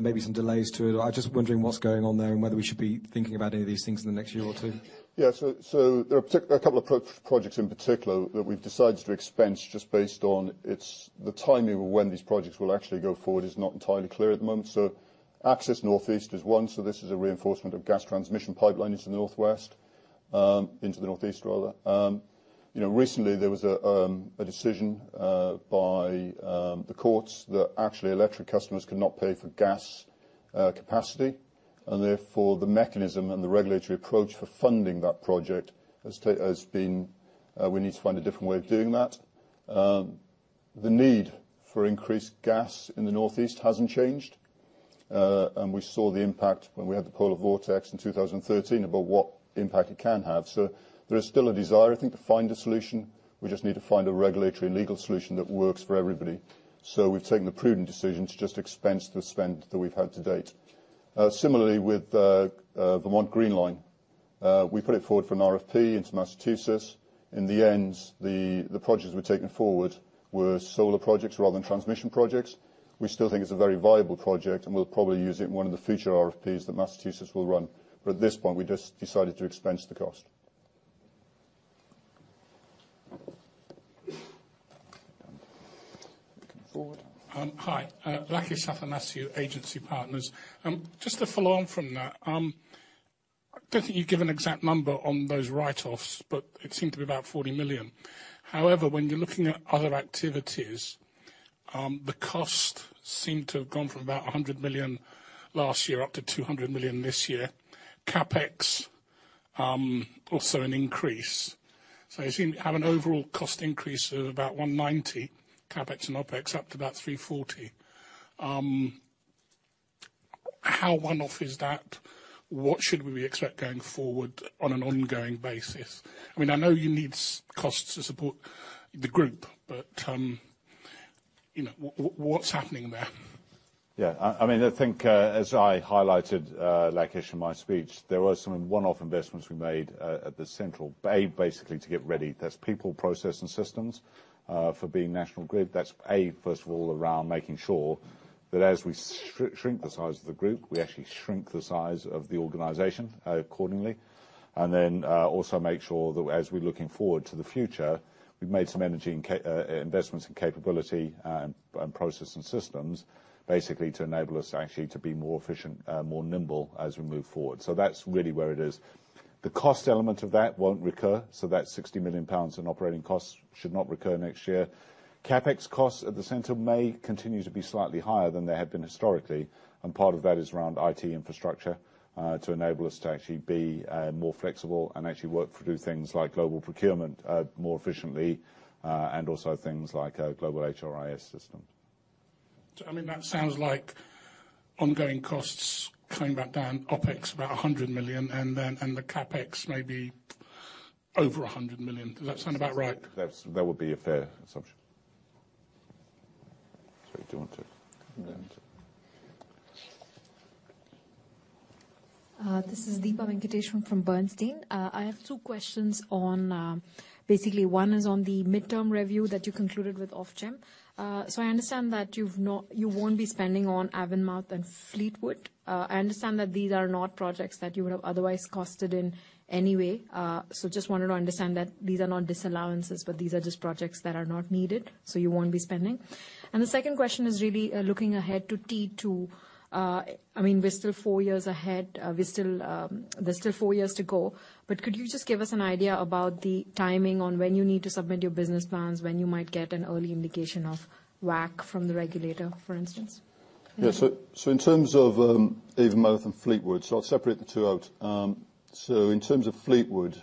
may be some delays to it. I'm just wondering what's going on there and whether we should be thinking about any of these things in the next year or two. Yeah, so there are a couple of projects in particular that we've decided to expense just based on the timing of when these projects will actually go forward is not entirely clear at the moment. So, Access Northeast is one. So, this is a reinforcement of Gas Transmission pipeline into the northwest, into the northeast, rather. Recently, there was a decision by the courts that actually electric customers could not pay for gas capacity, and therefore the mechanism and the regulatory approach for funding that project has been, we need to find a different way of doing that. The need for increased gas in the northeast hasn't changed, and we saw the impact when we had the polar vortex in 2013 about what impact it can have. So, there is still a desire, I think, to find a solution. We just need to find a regulatory and legal solution that works for everybody. So, we've taken the prudent decision to just expense the spend that we've had to date. Similarly, with Vermont Green Line, we put it forward for an RFP into Massachusetts. In the end, the projects we've taken forward were solar projects rather than transmission projects. We still think it's a very viable project, and we'll probably use it in one of the future RFPs that Massachusetts will run. But at this point, we just decided to expense the cost. Hi. Lakis Athanasiou, Agency Partners. Just to follow on from that, I don't think you've given an exact number on those write-offs, but it seemed to be about 40 million. However, when you're looking at other activities, the cost seemed to have gone from about 100 million last year up to 200 million this year. CAPEX, also an increase. So, you seem to have an overall cost increase of about 190 million, CAPEX and OpEx, up to about 340 million. How one-off is that? What should we expect going forward on an ongoing basis? I mean, I know you need costs to support the group, but what's happening there? Yeah, I mean, I think as I highlighted Lakis in my speech, there were some one-off investments we made at the central, basically to get ready. That's people, process, and systems for being National Grid. That's A, first of all, around making sure that as we shrink the size of the group, we actually shrink the size of the organization accordingly. And then also make sure that as we're looking forward to the future, we've made some investments in capability and process and systems, basically to enable us actually to be more efficient, more nimble as we move forward. So, that's really where it is. The cost element of that won't recur. So, that's 60 million pounds in operating costs should not recur next year. CAPEX costs at the center may continue to be slightly higher than they have been historically, and part of that is around IT infrastructure to enable us to actually be more flexible and actually work through things like global procurement more efficiently and also things like global HRIS systems. So, I mean, that sounds like ongoing costs coming back down, OpEx about 100 million, and then the CAPEX maybe over 100 million. Does that sound about right? That would be a fair assumption. So, do you want to? This is Deepa Venkateswaran from Bernstein. I have two questions on basically one is on the midterm review that you concluded with Ofgem. So, I understand that you won't be spending on Avonmouth and Fleetwood. I understand that these are not projects that you would have otherwise costed in anyway. So, just wanted to understand that these are not disallowances, but these are just projects that are not needed, so you won't be spending. And the second question is really looking ahead to T2. I mean, we're still four years ahead. There's still four years to go. But could you just give us an idea about the timing on when you need to submit your business plans, when you might get an early indication of WACC from the regulator, for instance? Yeah, so in terms of Avonmouth and Fleetwood, so I'll separate the two out. So, in terms of Fleetwood,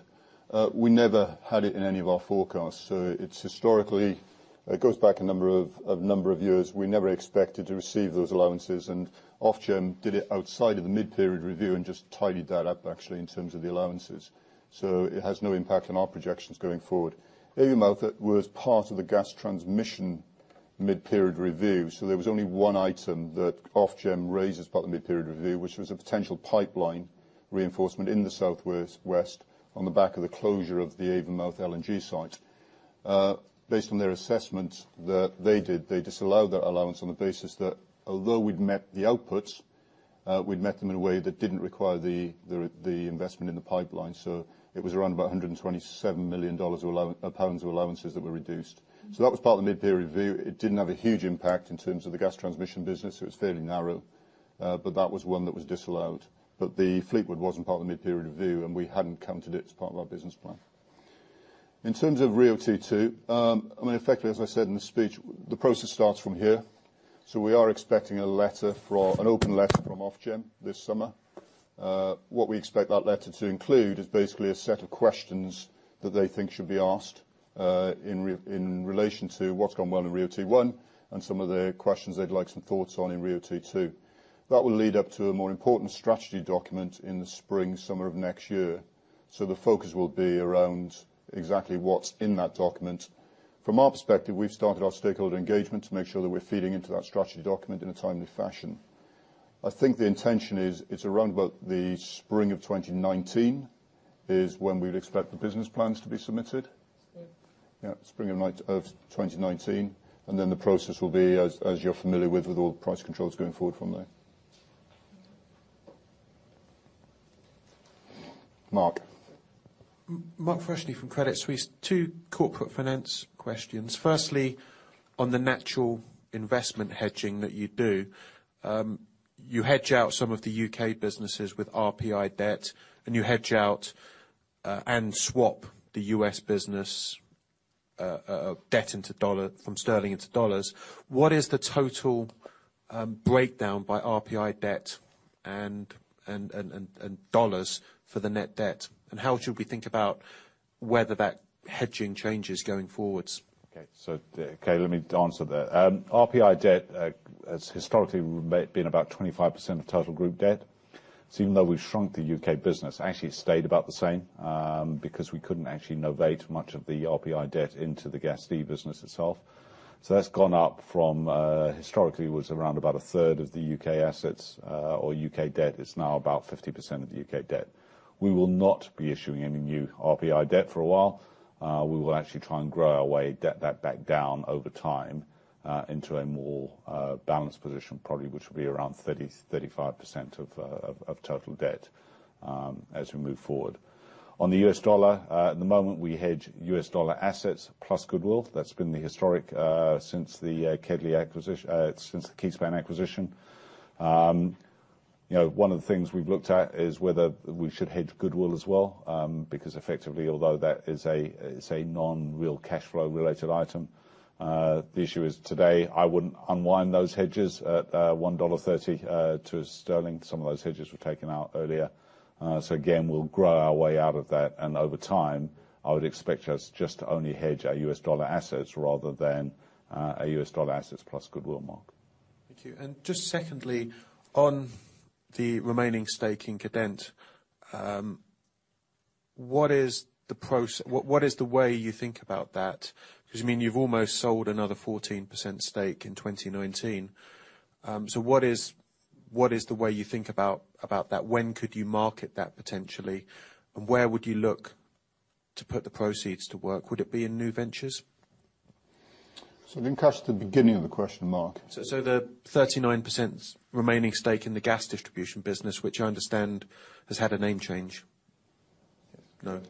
we never had it in any of our forecasts. So, it's historically, it goes back a number of years. We never expected to receive those allowances, and Ofgem did it outside of the mid-period review and just tidied that up, actually, in terms of the allowances. So, it has no impact on our projections going forward. Avonmouth was part of the Gas Transmission mid-period review. There was only one item that Ofgem raised as part of the mid-period review, which was a potential pipeline reinforcement in the southwest on the back of the closure of the Avonmouth LNG site. Based on their assessment that they did, they disallowed that allowance on the basis that although we'd met the outputs, we'd met them in a way that didn't require the investment in the pipeline. It was around about 127 million pounds of allowances that were reduced. That was part of the mid-period review. It didn't have a huge impact in terms of the Gas Transmission business. It was fairly narrow, but that was one that was disallowed. The Fleetwood wasn't part of the mid-period review, and we hadn't counted it as part of our business plan. In terms of RIIO-T2, I mean, effectively, as I said in the speech, the process starts from here. So, we are expecting an open letter from Ofgem this summer. What we expect that letter to include is basically a set of questions that they think should be asked in relation to what's gone well in RIIO-T1 and some of the questions they'd like some thoughts on in RIIO-T2. That will lead up to a more important strategy document in the spring-summer of next year. So, the focus will be around exactly what's in that document. From our perspective, we've started our stakeholder engagement to make sure that we're feeding into that strategy document in a timely fashion. I think the intention is it's around about the spring of 2019 is when we would expect the business plans to be submitted. Spring of 2019. Then the process will be, as you're familiar with, with all the price controls going forward from there. Mark. Mark Freshney from Credit Suisse. Two corporate finance questions. Firstly, on the natural investment hedging that you do, you hedge out some of the U.K. businesses with RPI debt, and you hedge out and swap the U.S. business debt into dollars from sterling into dollars. What is the total breakdown by RPI debt and dollars for the net debt? And how should we think about whether that hedging changes going forward? Okay. So, okay, let me answer that. RPI debt has historically been about 25% of total group debt. So, even though we've shrunk the U.K. business, it actually stayed about the same because we couldn't actually novate much of the RPI debt into the Gas D business itself. That's gone up from what historically was around about a third of the U.K. assets or U.K. debt. It's now about 50% of the U.K. debt. We will not be issuing any new RPI debt for a while. We will actually try and grow our way that back down over time into a more balanced position, probably which will be around 30%-35% of total debt as we move forward. On the U.S. dollar, at the moment, we hedge U.S. dollar assets plus Goodwill. That's been the historic since the KEDLI acquisition, since the KeySpan acquisition. One of the things we've looked at is whether we should hedge Goodwill as well because effectively, although that is a non-real cash flow related item, the issue is today I wouldn't unwind those hedges at $1.30 to sterling. Some of those hedges were taken out earlier. So, again, we'll grow our way out of that. And over time, I would expect us just to only hedge our U.S. dollar assets rather than our U.S. dollar assets plus goodwill, Mark. Thank you. And just secondly, on the remaining stake in Cadent, what is the way you think about that? Because you mean you've almost sold another 14% stake in 2019. So, what is the way you think about that? When could you market that potentially? And where would you look to put the proceeds to work? Would it be in new ventures? Could you ask the beginning of the question, Mark? So, the 39% Gas Distribution business, which i understand has had a name change? No?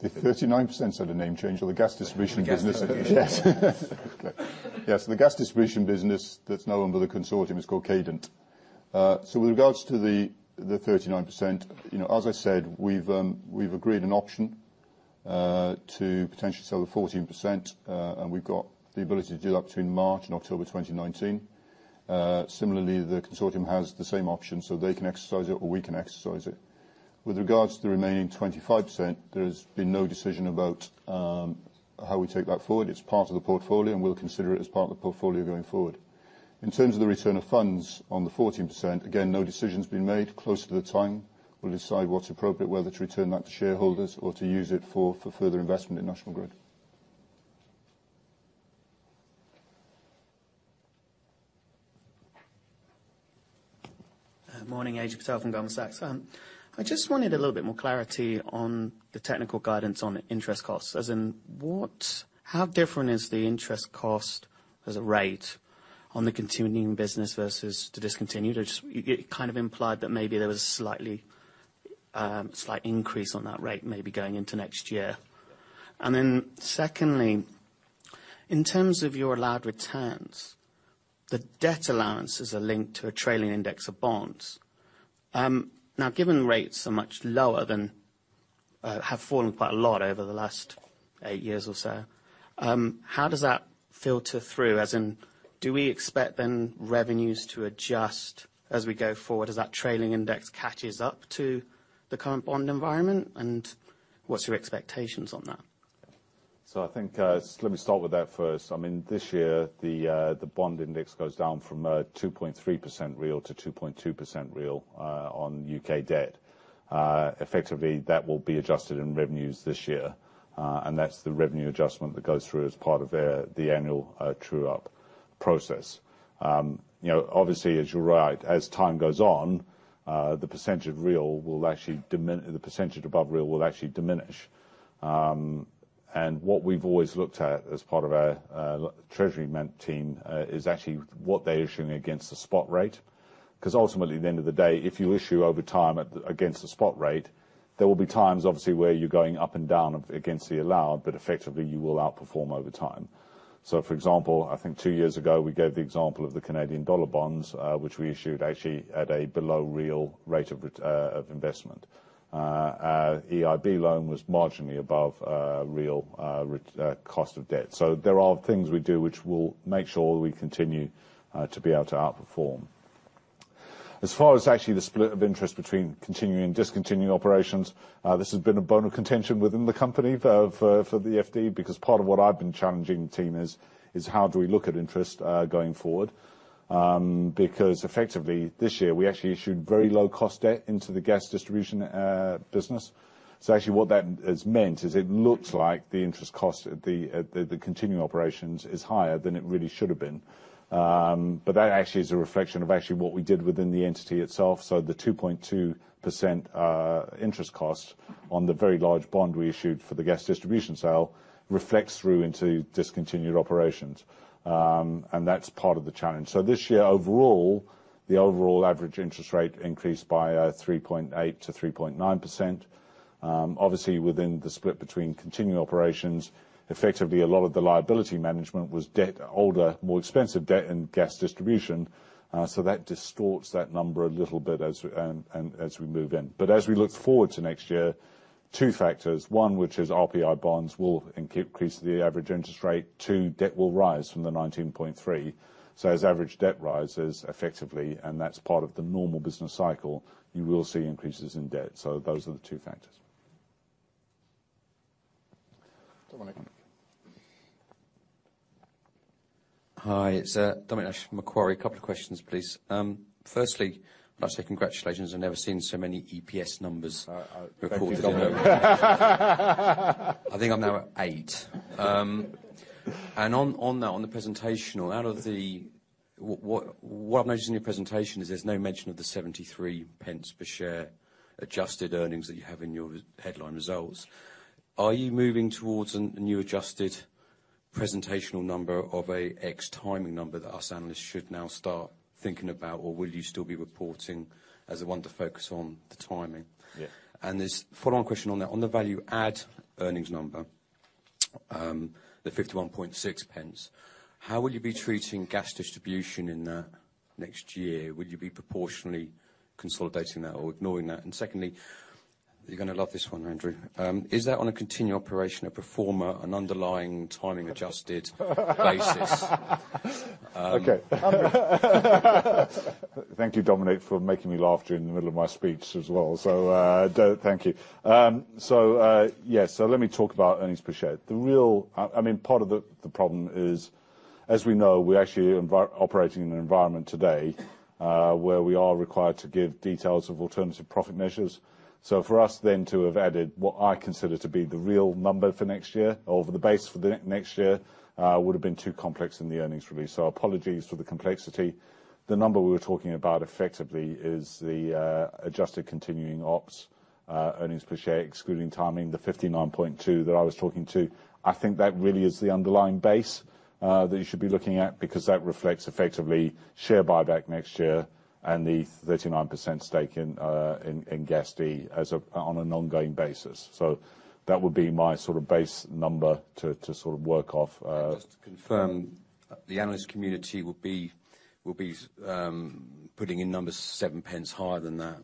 The 39% had a Gas Distribution business that's now under the consortium is called Cadent. So, with regards to the 39%, as I said, we've agreed an option to potentially sell the 14%, and we've got the ability to do that between March and October 2019. Similarly, the consortium has the same option, so they can exercise it or we can exercise it. With regards to the remaining 25%, there has been no decision about how we take that forward. It's part of the portfolio, and we'll consider it as part of the portfolio going forward. In terms of the return of funds on the 14%, again, no decision's been made. Closer to the time, we'll decide what's appropriate, whether to return that to shareholders or to use it for further investment in National Grid. Morning, Ajay Patel from Goldman Sachs. I just wanted a little bit more clarity on the technical guidance on interest costs. As in, how different is the interest cost as a rate on the continuing business versus to discontinue? It kind of implied that maybe there was a slight increase on that rate maybe going into next year. And then secondly, in terms of your allowed returns, the debt allowances are linked to a trailing index of bonds. Now, given rates are much lower than have fallen quite a lot over the last eight years or so, how does that filter through? As in, do we expect then revenues to adjust as we go forward? As that trailing index catches up to the current bond environment, and what's your expectations on that? So, I think let me start with that first. I mean, this year, the bond index goes down from 2.3% real to 2.2% real on U.K. debt. Effectively, that will be adjusted in revenues this year, and that's the revenue adjustment that goes through as part of the annual true-up process. Obviously, as you're right, as time goes on, the percentage above real will actually diminish. What we've always looked at as part of our treasury management team is actually what they're issuing against the spot rate. Because ultimately, at the end of the day, if you issue over time against the spot rate, there will be times, obviously, where you're going up and down against the allowed, but effectively, you will outperform over time. So, for example, I think two years ago, we gave the example of the Canadian dollar bonds, which we issued actually at a below real rate of investment. Our EIB loan was marginally above real cost of debt. There are things we do which will make sure we continue to be able to outperform. As far as actually the split of interest between continuing and discontinuing operations, this has been a bone of contention within the company for the FD because part of what I've been challenging the team is how do we look at interest going forward. Because effectively, this year, we actually issued very low Gas Distribution business. so, actually, what that has meant is it looks like the interest cost at the continuing operations is higher than it really should have been. But that actually is a reflection of actually what we did within the entity itself. So, the 2.2% interest cost on the very large bond Gas Distribution sale reflects through into discontinued operations. And that's part of the challenge. So, this year, overall, the overall average interest rate increased by 3.8%-3.9%. Obviously, within the split between continuing operations, effectively, a lot of the liability management was older, Gas Distribution. so, that distorts that number a little bit as we move in. But as we look forward to next year, two factors. One, which is RPI bonds will increase the average interest rate. Two, debt will rise from the 19.3. So, as average debt rises effectively, and that's part of the normal business cycle, you will see increases in debt. So, those are the two factors. Dominic. Hi, it's Dominic Nash, Macquarie. A couple of questions, please. Firstly, I'd like to say congratulations. I've never seen so many EPS numbers reported on there. I think I'm now at eight. On the presentational, what I've noticed in your presentation is there's no mention of the 0.73 per share adjusted earnings that you have in your headline results. Are you moving towards a new adjusted presentational number of an FX timing number that us analysts should now start thinking about, or will you still be reporting as a one to focus on the timing? And this follow-on question on that, on the value-add earnings number, the 0.516, how Gas Distribution in that next year? Will you be proportionally consolidating that or ignoring that? And secondly, you're going to love this one, Andrew. Is that on a continuing operations pro forma underlying timing adjusted basis? Okay. Thank you, Dominic, for making me laugh during the middle of my speech as well. So, thank you. Yes, so let me talk about earnings per share. The real, I mean, part of the problem is, as we know, we're actually operating in an environment today where we are required to give details of alternative profit measures. So, for us then to have added what I consider to be the real number for next year or the base for next year would have been too complex in the earnings release. So, apologies for the complexity. The number we were talking about effectively is the adjusted continuing ops earnings per share, excluding timing, the 59.2 that I was talking to. I think that really is the underlying base that you should be looking at because that reflects effectively share buyback next year and the 39% stake in Gas D on an ongoing basis. So, that would be my sort of base number to sort of work off. Just to confirm, the analyst community will be putting in numbers seven pence higher than that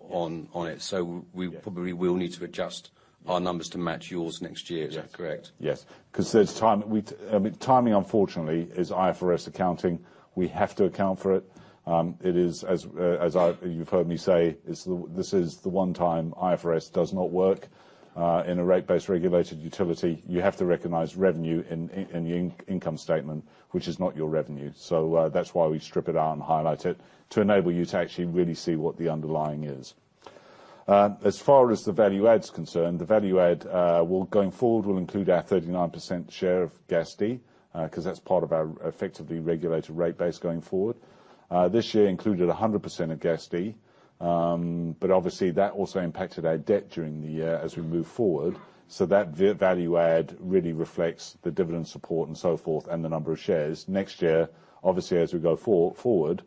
on it. So, we probably will need to adjust our numbers to match yours next year. Is that correct? Yes. Because timing, unfortunately, is IFRS accounting. We have to account for it. It is, as you've heard me say, this is the one time IFRS does not work in a rate-based regulated utility. You have to recognize revenue in your income statement, which is not your revenue. So, that's why we strip it out and highlight it to enable you to actually really see what the underlying is. As far as the value-add is concerned, the value-add going forward will include our 39% share of Gas D because that's part of our effectively regulated rate base going forward. This year included 100% of Gas D, but obviously, that also impacted our debt during the year as we move forward. So, that value-add really reflects the dividend support and so forth and the number of shares. Next year, obviously, as we go forward,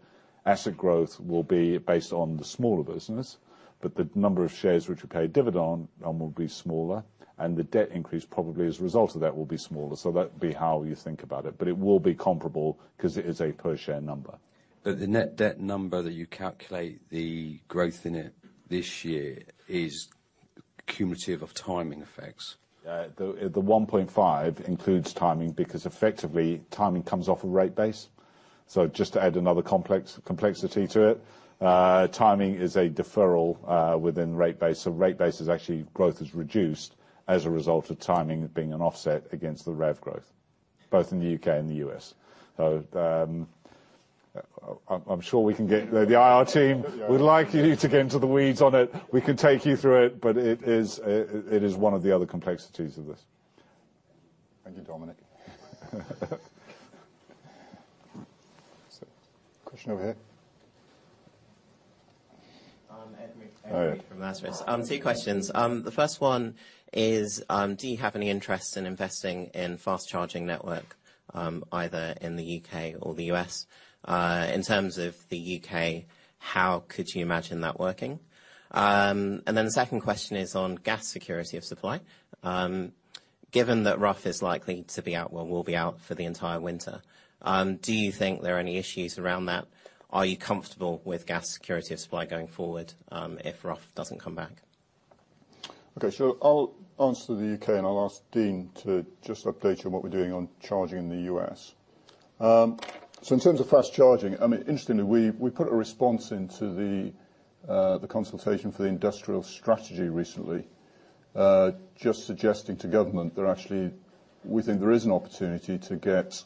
asset growth will be based on the smaller business, but the number of shares which we pay dividend on will be smaller, and the debt increase probably as a result of that will be smaller. So, that would be how you think about it. But it will be comparable because it is a per share number. But the net debt number that you calculate the growth in it this year is cumulative of timing effects. The 1.5 includes timing because effectively, timing comes off a rate base. So, just to add another complexity to it, timing is a deferral within rate base. So, rate base is actually growth is reduced as a result of timing being an offset against the rev growth, both in the U.K. and the U.S. So, I'm sure we can get the IR team. We'd like you to get into the weeds on it. We can take you through it, but it is one of the other complexities of this. Thank you, Dominic. Question over here. Two questions. The first one is, do you have any interest in investing in fast charging network, either in the U.K. or the U.S.? In terms of the U.K., how could you imagine that working? And then the second question is on gas security of supply. Given that Rough is likely to be out, well, will be out for the entire winter, do you think there are any issues around that? Are you comfortable with gas security of supply going forward if Rough doesn't come back? Okay. So, I'll answer the U.K., and I'll ask Dean to just update you on what we're doing on charging in the U.S. So, in terms of fast charging, I mean, interestingly, we put a response into the consultation for the industrial strategy recently, just suggesting to government that actually we think there is an opportunity to get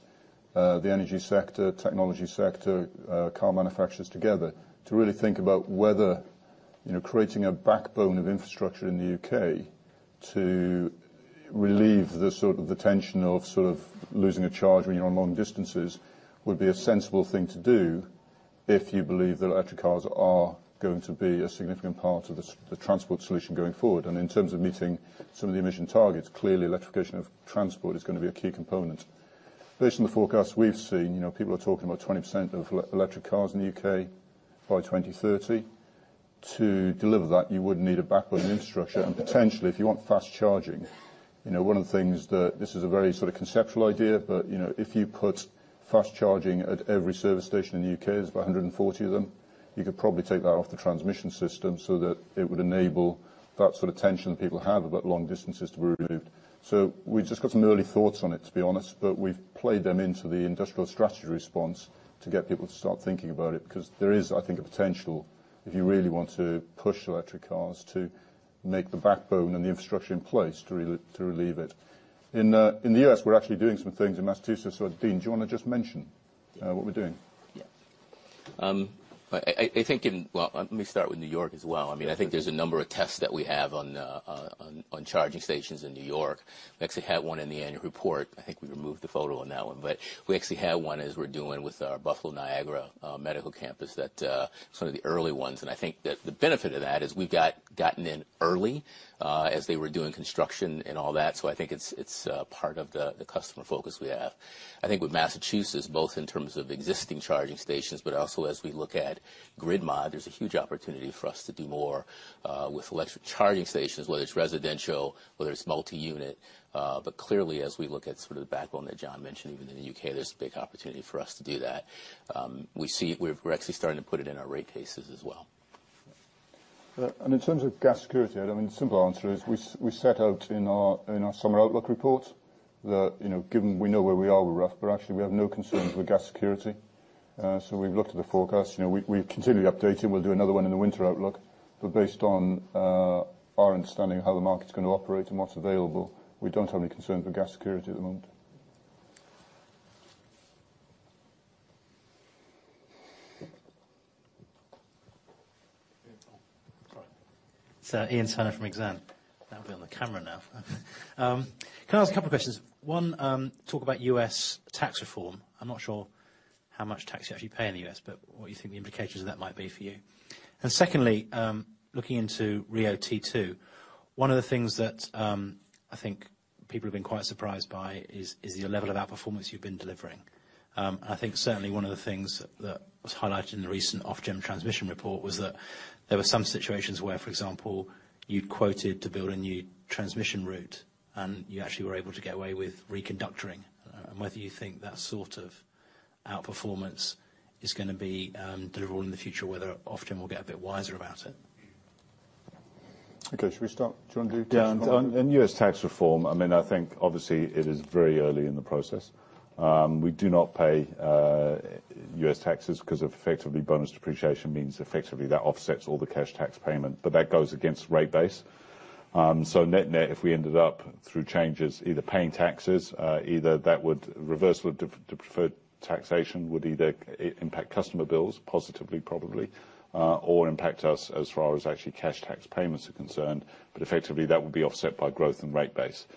the energy sector, technology sector, car manufacturers together to really think about whether creating a backbone of infrastructure in the U.K. to relieve the sort of the tension of sort of losing a charge when you're on long distances would be a sensible thing to do if you believe that electric cars are going to be a significant part of the transport solution going forward. And in terms of meeting some of the emission targets, clearly, electrification of transport is going to be a key component. Based on the forecast we've seen, people are talking about 20% of electric cars in the U.K. by 2030. To deliver that, you would need a backbone infrastructure. And potentially, if you want fast charging, one of the things that this is a very sort of conceptual idea, but if you put fast charging at every service station in the U.K., there's about 140 of them, you could probably take that off the transmission system so that it would enable that sort of tension that people have about long distances to be removed. We've just got some early thoughts on it, to be honest, but we've played them into the industrial strategy response to get people to start thinking about it because there is, I think, a potential if you really want to push electric cars to make the backbone and the infrastructure in place to relieve it. In the U.S., we're actually doing some things in Massachusetts. So, Dean, do you want to just mention what we're doing? Yes. I think in, well, let me start with New York as well. I mean, I think there's a number of tests that we have on charging stations in New York. We actually had one in the annual report. I think we removed the photo on that one. But we actually had one as we're doing with our Buffalo Niagara Medical Campus; that's one of the early ones. And I think that the benefit of that is we've gotten in early as they were doing construction and all that. So, I think it's part of the customer focus we have. I think with Massachusetts, both in terms of existing charging stations, but also as we look at grid mod, there's a huge opportunity for us to do more with electric charging stations, whether it's residential, whether it's multi-unit. But clearly, as we look at sort of the backbone that John mentioned, even in the U.K., there's a big opportunity for us to do that. We're actually starting to put it in our rate bases as well. And in terms of gas security, I mean, the simple answer is we set out in our summer outlook report that given we know where we are with Rough, but actually we have no concerns with gas security. So, we've looked at the forecast. We continue to update it. We'll do another one in the winter outlook. But based on our understanding of how the market's going to operate and what's available, we don't have any concerns with gas security at the moment. Sir, Iain Turner from Exane. That'll be on the camera now. Can I ask a couple of questions? One, talk about U.S. tax reform. I'm not sure how much tax you actually pay in the U.S., but what you think the implications of that might be for you. And secondly, looking into RIIO-T2, one of the things that I think people have been quite surprised by is the level of outperformance you've been delivering. And I think certainly one of the things that was highlighted in the recent Ofgem transmission report was that there were some situations where, for example, you'd quoted to build a new transmission route and you actually were able to get away with reconductoring. And whether you think that sort of outperformance is going to be deliverable in the future, whether often we'll get a bit wiser about it. Okay. Should we start? Do you want to do? Yeah. And U.S. tax reform, I mean, I think obviously it is very early in the process. We do not pay U.S. taxes because effectively bonus depreciation means effectively that offsets all the cash tax payment, but that goes against rate base. Net net, if we ended up through changes either paying taxes, either that would reverse the preferred taxation, would either impact customer bills positively, probably, or impact us as far as actually cash tax payments are concerned. But effectively that would be offset by growth and rate base.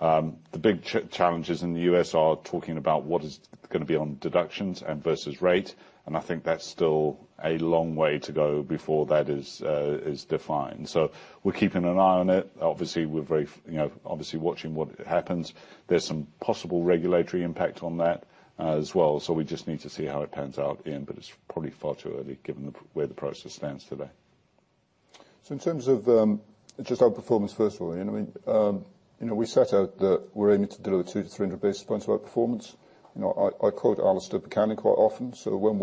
The big challenges in the U.S. are talking about what is going to be on deductions and versus rate. And I think that's still a long way to go before that is defined. So, we're keeping an eye on it. Obviously, we're watching what happens. There's some possible regulatory impact on that as well. So, we just need to see how it pans out, but it's probably far too early given where the process stands today. So, in terms of just outperformance first of all, I mean, we set out that we're aiming to deliver 200-300 basis points of outperformance. I quote Alistair Buchanan quite often. So, when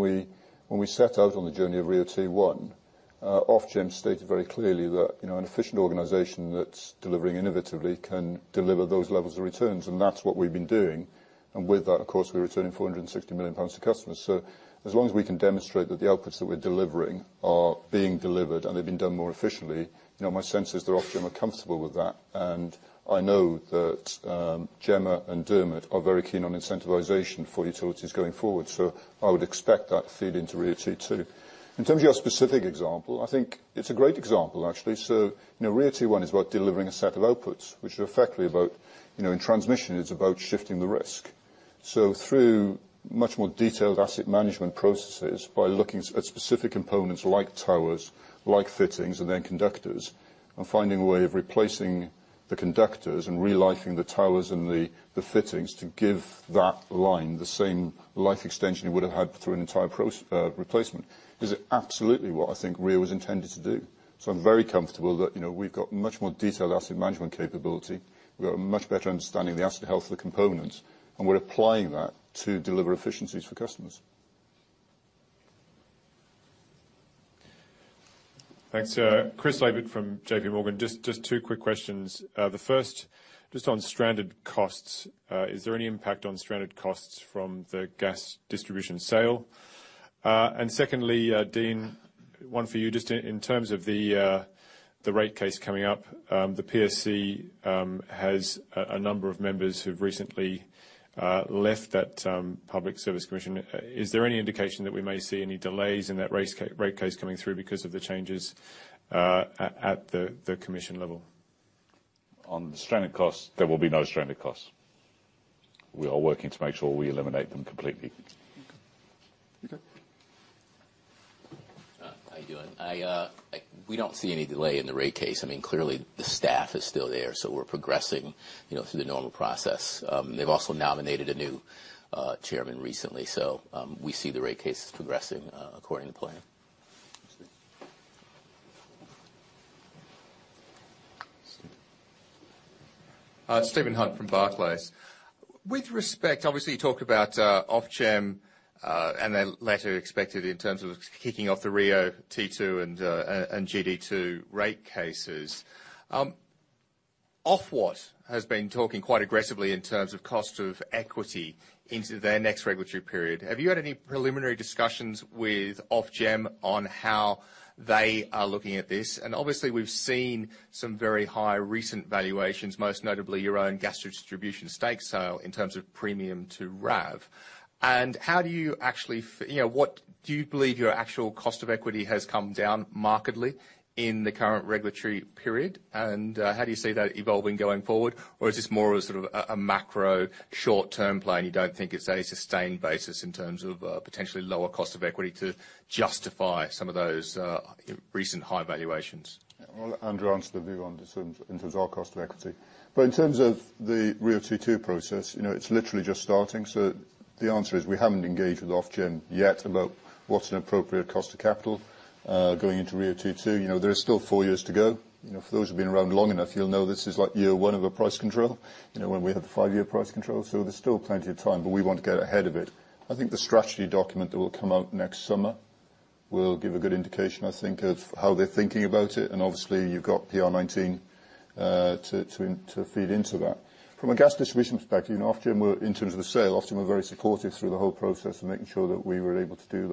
we set out on the journey of RIIO-T1, Ofgem stated very clearly that an efficient organization that's delivering innovatively can deliver those levels of returns. And that's what we've been doing. And with that, of course, we're returning 460 million pounds to customers. So, as long as we can demonstrate that the outputs that we're delivering are being delivered and they've been done more efficiently, my sense is that Ofgem are comfortable with that. And I know that GEMA and Dermot are very keen on incentivization for utilities going forward. So, I would expect that to feed into RIIO-T2. In terms of your specific example, I think it's a great example, actually. RIIO-T1 is about delivering a set of outputs, which is effectively about in transmission, it's about shifting the risk. So, through much more detailed asset management processes by looking at specific components like towers, like fittings, and then conductors, and finding a way of replacing the conductors and re-lifing the towers and the fittings to give that line the same life extension you would have had through an entire replacement, is absolutely what I think RIIO was intended to do. So, I'm very comfortable that we've got much more detailed asset management capability. We've got a much better understanding of the asset health of the components, and we're applying that to deliver efficiencies for customers. Thanks. Chris Laybutt from JPMorgan. Just two quick questions. The first, just on stranded costs. Is there any impact on stranded costs from Gas Distribution sale? Secondly, Dean, one for you. Just in terms of the rate case coming up, the PSC has a number of members who've recently left that public service commission. Is there any indication that we may see any delays in that rate case coming through because of the changes at the commission level? On the stranded costs, there will be no stranded costs. We are working to make sure we eliminate them completely. Okay. How are you doing? We don't see any delay in the rate case. I mean, clearly the staff is still there, so we're progressing through the normal process. They've also nominated a new chairman recently. So, we see the rate case is progressing according to plan. Stephen Hunt from Barclays. With respect, obviously you talked about Ofgem and the later expected in terms of kicking off the RIIO-T2 and GD2 rate cases. Ofwat has been talking quite aggressively in terms of cost of equity into their next regulatory period. Have you had any preliminary discussions with Ofgem on how they are looking at this? And obviously we've seen some very high recent valuations, Gas Distribution stake sale in terms of premium to RAV. And how do you actually what do you believe your actual cost of equity has come down markedly in the current regulatory period? And how do you see that evolving going forward? Or is this more of a sort of a macro short-term plan? You don't think it's a sustained basis in terms of potentially lower cost of equity to justify some of those recent high valuations? Well, Andrew answered the view in terms of our cost of equity. But in terms of the RIIO-T2 process, it's literally just starting. The answer is we haven't engaged with Ofgem yet about what's an appropriate cost of capital going into RIIO-T2. There is still four years to go. For those who've been around long enough, you'll know this is like year one of a price control when we had the five-year price control. There's still plenty of time, but we want to get ahead of it. I think the strategy document that will come out next summer will give a good indication, I think, of how they're thinking about it. And obviously, you've got PR19 to feed Gas Distribution perspective, in terms of the sale, Ofgem were very supportive through the whole process of making sure that we were able to do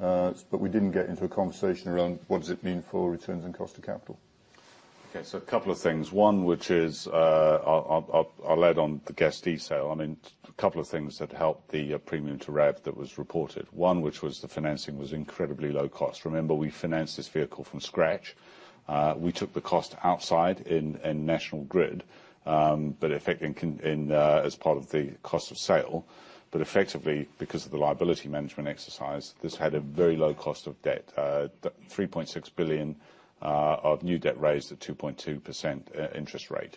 that. But we didn't get into a conversation around what does it mean for returns and cost of capital. Okay. So, a couple of things. One, which is I'll add on the Gas D sale. I mean, a couple of things that helped the premium to RAV that was reported. One, which was the financing was incredibly low cost. Remember, we financed this vehicle from scratch. We took the cost outside in National Grid as part of the cost of sale. But effectively, because of the liability management exercise, this had a very low cost of debt, 3.6 billion of new debt raised at 2.2% interest rate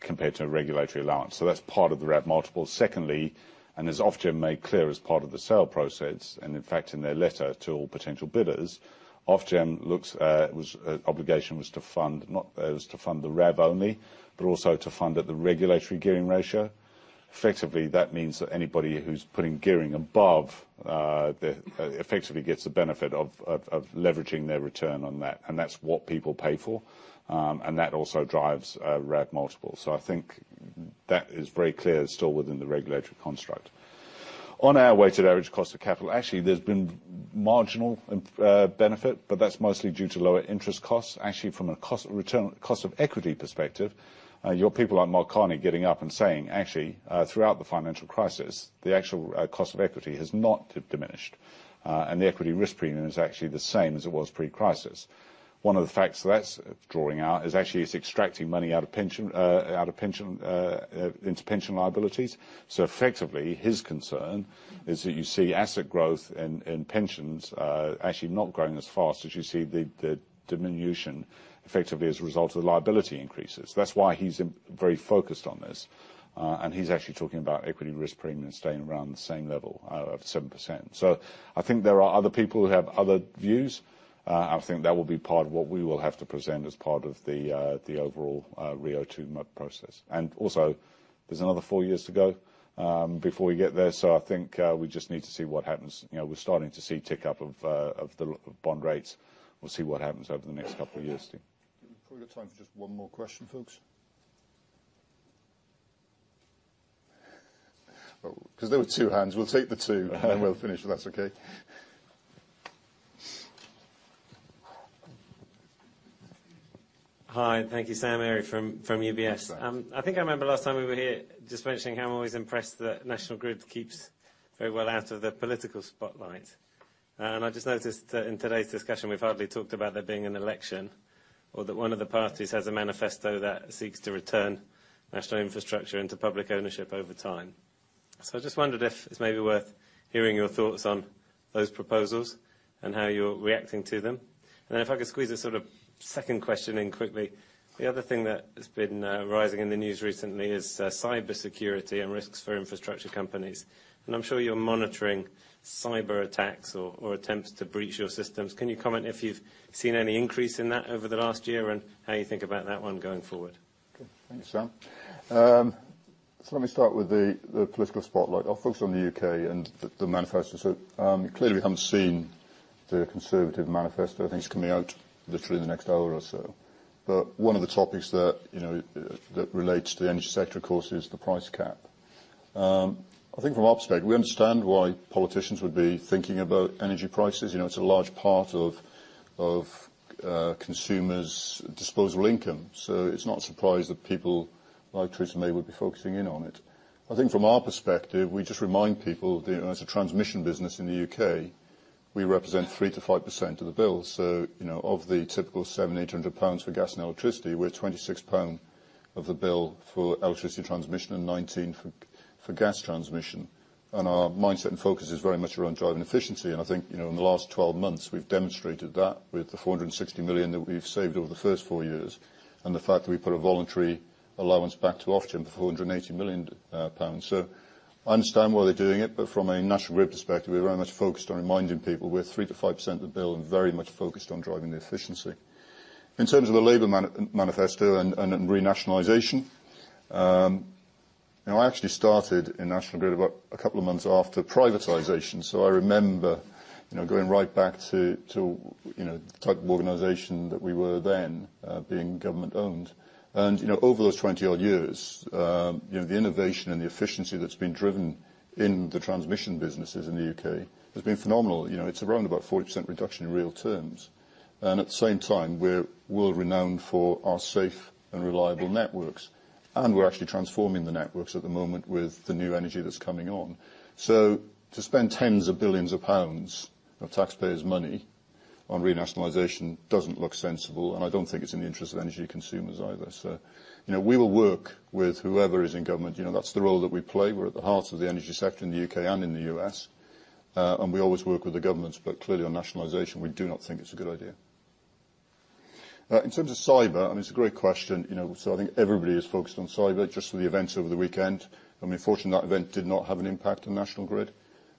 compared to a regulatory allowance. So, that's part of the RAV multiple. Secondly, and as Ofgem made clear as part of the sale process, and in fact in their letter to all potential bidders, Ofgem's obligation was to fund not just the RAV only, but also to fund at the regulatory gearing ratio. Effectively, that means that anybody who's putting gearing above effectively gets the benefit of leveraging their return on that. And that's what people pay for. And that also drives RAV multiple. So, I think that is very clear still within the regulatory construct. On our weighted average cost of capital, actually there's been marginal benefit, but that's mostly due to lower interest costs. Actually, from a cost of equity perspective, your people like Mark Carney getting up and saying, actually, throughout the financial crisis, the actual cost of equity has not diminished. And the equity risk premium is actually the same as it was pre-crisis. One of the facts that's drawing out is actually it's extracting money out of pension into pension liabilities. So, effectively, his concern is that you see asset growth in pensions actually not growing as fast as you see the diminution effectively as a result of the liability increases. That's why he's very focused on this. And he's actually talking about equity risk premium staying around the same level of 7%. So, I think there are other people who have other views. I think that will be part of what we will have to present as part of the overall RIIO-T2 process. And also, there's another four years to go before we get there. So, I think we just need to see what happens. We're starting to see tick up of bond rates. We'll see what happens over the next couple of years. We've got time for just one more question, folks. Because there were two hands. We'll take the two and then we'll finish if that's okay. Hi. Thank you, Sam Arie from UBS. I think I remember last time we were here just mentioning how I'm always impressed that National Grid keeps very well out of the political spotlight. I just noticed that in today's discussion, we've hardly talked about there being an election or that one of the parties has a manifesto that seeks to return national infrastructure into public ownership over time. I just wondered if it's maybe worth hearing your thoughts on those proposals and how you're reacting to them? If I could squeeze a sort of second question in quickly. The other thing that's been rising in the news recently is cybersecurity and risks for infrastructure companies. I'm sure you're monitoring cyber attacks or attempts to breach your systems. Can you comment if you've seen any increase in that over the last year and how you think about that one going forward? Okay. Thanks, Sam. Let me start with the political spotlight. I'll focus on the U.K. and the manifesto. Clearly we haven't seen the Conservative manifesto. I think it's coming out literally in the next hour or so. One of the topics that relates to the energy sector, of course, is the price cap. I think from our perspective, we understand why politicians would be thinking about energy prices. It's a large part of consumers' disposable income. It's not a surprise that people like Theresa May would be focusing in on it. I think from our perspective, we just remind people that as a transmission business in the U.K., we represent 3%-5% of the bill. Of the typical 700-800 pounds for gas and electricity, we're 26 pounds of the Electricity Transmission and gbp 19 for Gas Transmission. Our mindset and focus is very much around driving efficiency. I think in the last 12 months, we've demonstrated that with the 460 million that we've saved over the first four years and the fact that we put a voluntary allowance back to Ofgem for 480 million pounds. I understand why they're doing it, but from a National Grid perspective, we're very much focused on reminding people we're 3% to 5% of the bill and very much focused on driving the efficiency. In terms of the Labour manifesto and renationalization, I actually started in National Grid about a couple of months after privatization. I remember going right back to the type of organization that we were then being government-owned. Over those 20-odd years, the innovation and the efficiency that's been driven in the transmission businesses in the U.K. has been phenomenal. It's around about 40% reduction in real terms. And at the same time, we're world-renowned for our safe and reliable networks. And we're actually transforming the networks at the moment with the new energy that's coming on. So, to spend tens of billions of pounds of taxpayers' money on renationalization doesn't look sensible. And I don't think it's in the interest of energy consumers either. So, we will work with whoever is in government. That's the role that we play. We're at the heart of the energy sector in the U.K. and in the U.S. And we always work with the governments. But clearly on nationalization, we do not think it's a good idea. In terms of cyber, I mean, it's a great question. So, I think everybody is focused on cyber just for the event over the weekend. I mean, fortunately, that event did not have an impact on National Grid.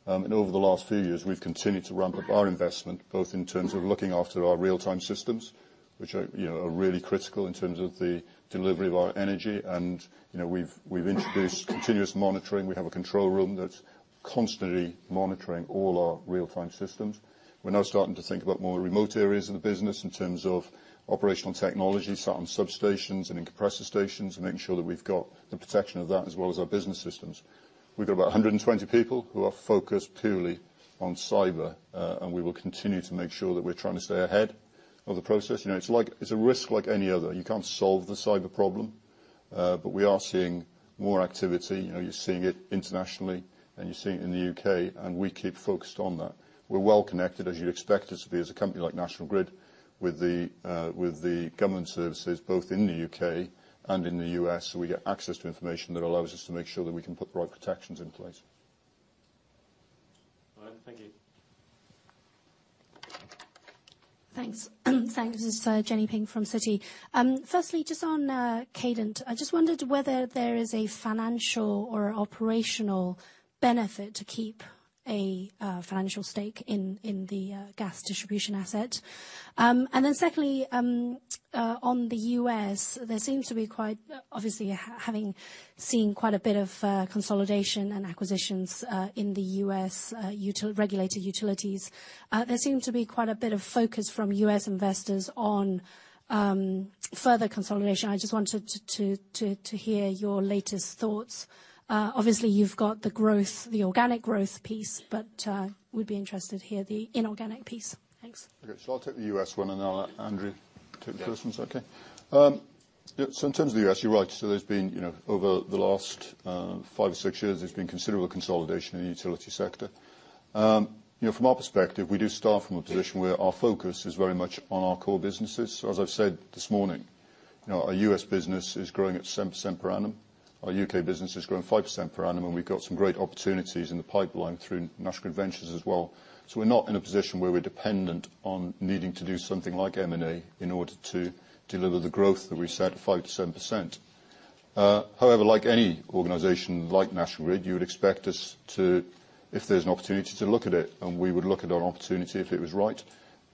And over the last few years, we've continued to ramp up our investment both in terms of looking after our real-time systems, which are really critical in terms of the delivery of our energy. And we've introduced continuous monitoring. We have a control room that's constantly monitoring all our real-time systems. We're now starting to think about more remote areas of the business in terms of operational technology, sat on substations and in compressor stations, making sure that we've got the protection of that as well as our business systems. We've got about 120 people who are focused purely on cyber. And we will continue to make sure that we're trying to stay ahead of the process. It's a risk like any other. You can't solve the cyber problem. But we are seeing more activity. You're seeing it internationally, and you're seeing it in the U.K. And we keep focused on that. We're well connected, as you'd expect us to be as a company like National Grid, with the government services both in the U.K. and in the U.S. So, we get access to information that allows us to make sure that we can put the right protections in place. All right. Thank you. Thanks. Thanks. This is Jenny Ping from Citi. Firstly, just on Cadent, I just wondered whether there is a financial or operational benefit to keep a Gas Distribution asset. and then secondly, on the U.S., there seems to be quite obviously having seen quite a bit of consolidation and acquisitions in the U.S. regulated utilities. There seems to be quite a bit of focus from U.S. investors on further consolidation. I just wanted to hear your latest thoughts. Obviously, you've got the organic growth piece, but we'd be interested to hear the inorganic piece. Thanks. Okay. So, I'll take the U.S. one. And now, Andrew, take the first one. Is that okay? Yeah. So, in terms of the U.S., you're right. So, there's been over the last five or six years, there's been considerable consolidation in the utility sector. From our perspective, we do start from a position where our focus is very much on our core businesses. So, as I've said this morning, our U.S. business is growing at 7% per annum. Our U.K. business is growing 5% per annum. And we've got some great opportunities in the pipeline through National Grid Ventures as well. We're not in a position where we're dependent on needing to do something like M&A in order to deliver the growth that we set at 5%-7%. However, like any organization like National Grid, you would expect us to, if there's an opportunity to look at it, and we would look at our opportunity if it was right.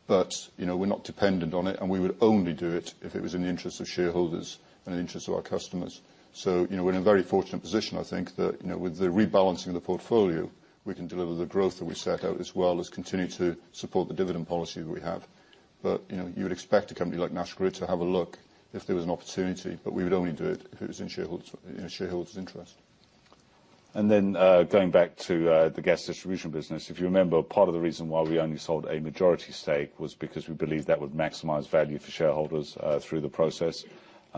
But we're not dependent on it. And we would only do it if it was in the interest of shareholders and in the interest of our customers. So, we're in a very fortunate position, I think, that with the rebalancing of the portfolio, we can deliver the growth that we set out as well as continue to support the dividend policy that we have. But you would expect a company like National Grid to have a look if there was an opportunity. We would only do it if it was in shareholders' interest. Then Gas Distribution business, if you remember, part of the reason why we only sold a majority stake was because we believed that would maximize value for shareholders through the process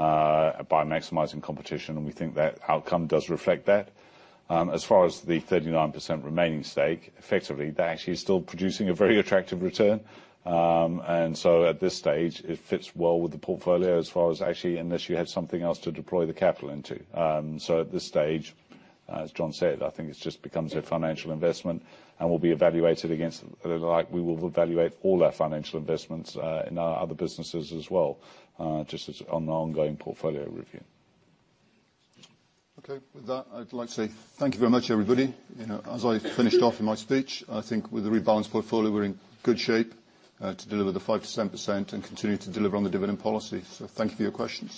by maximizing competition. We think that outcome does reflect that. As far as the 39% remaining stake, effectively, that actually is still producing a very attractive return. So, at this stage, it fits well with the portfolio as far as actually unless you have something else to deploy the capital into. At this stage, as John said, I think it just becomes a financial investment and will be evaluated against. We will evaluate all our financial investments in our other businesses as well just on the ongoing portfolio review. Okay. With that, I'd like to say thank you very much, everybody. As I finished off in my speech, I think with the rebalanced portfolio, we're in good shape to deliver the 5%-7% and continue to deliver on the dividend policy. So, thank you for your questions.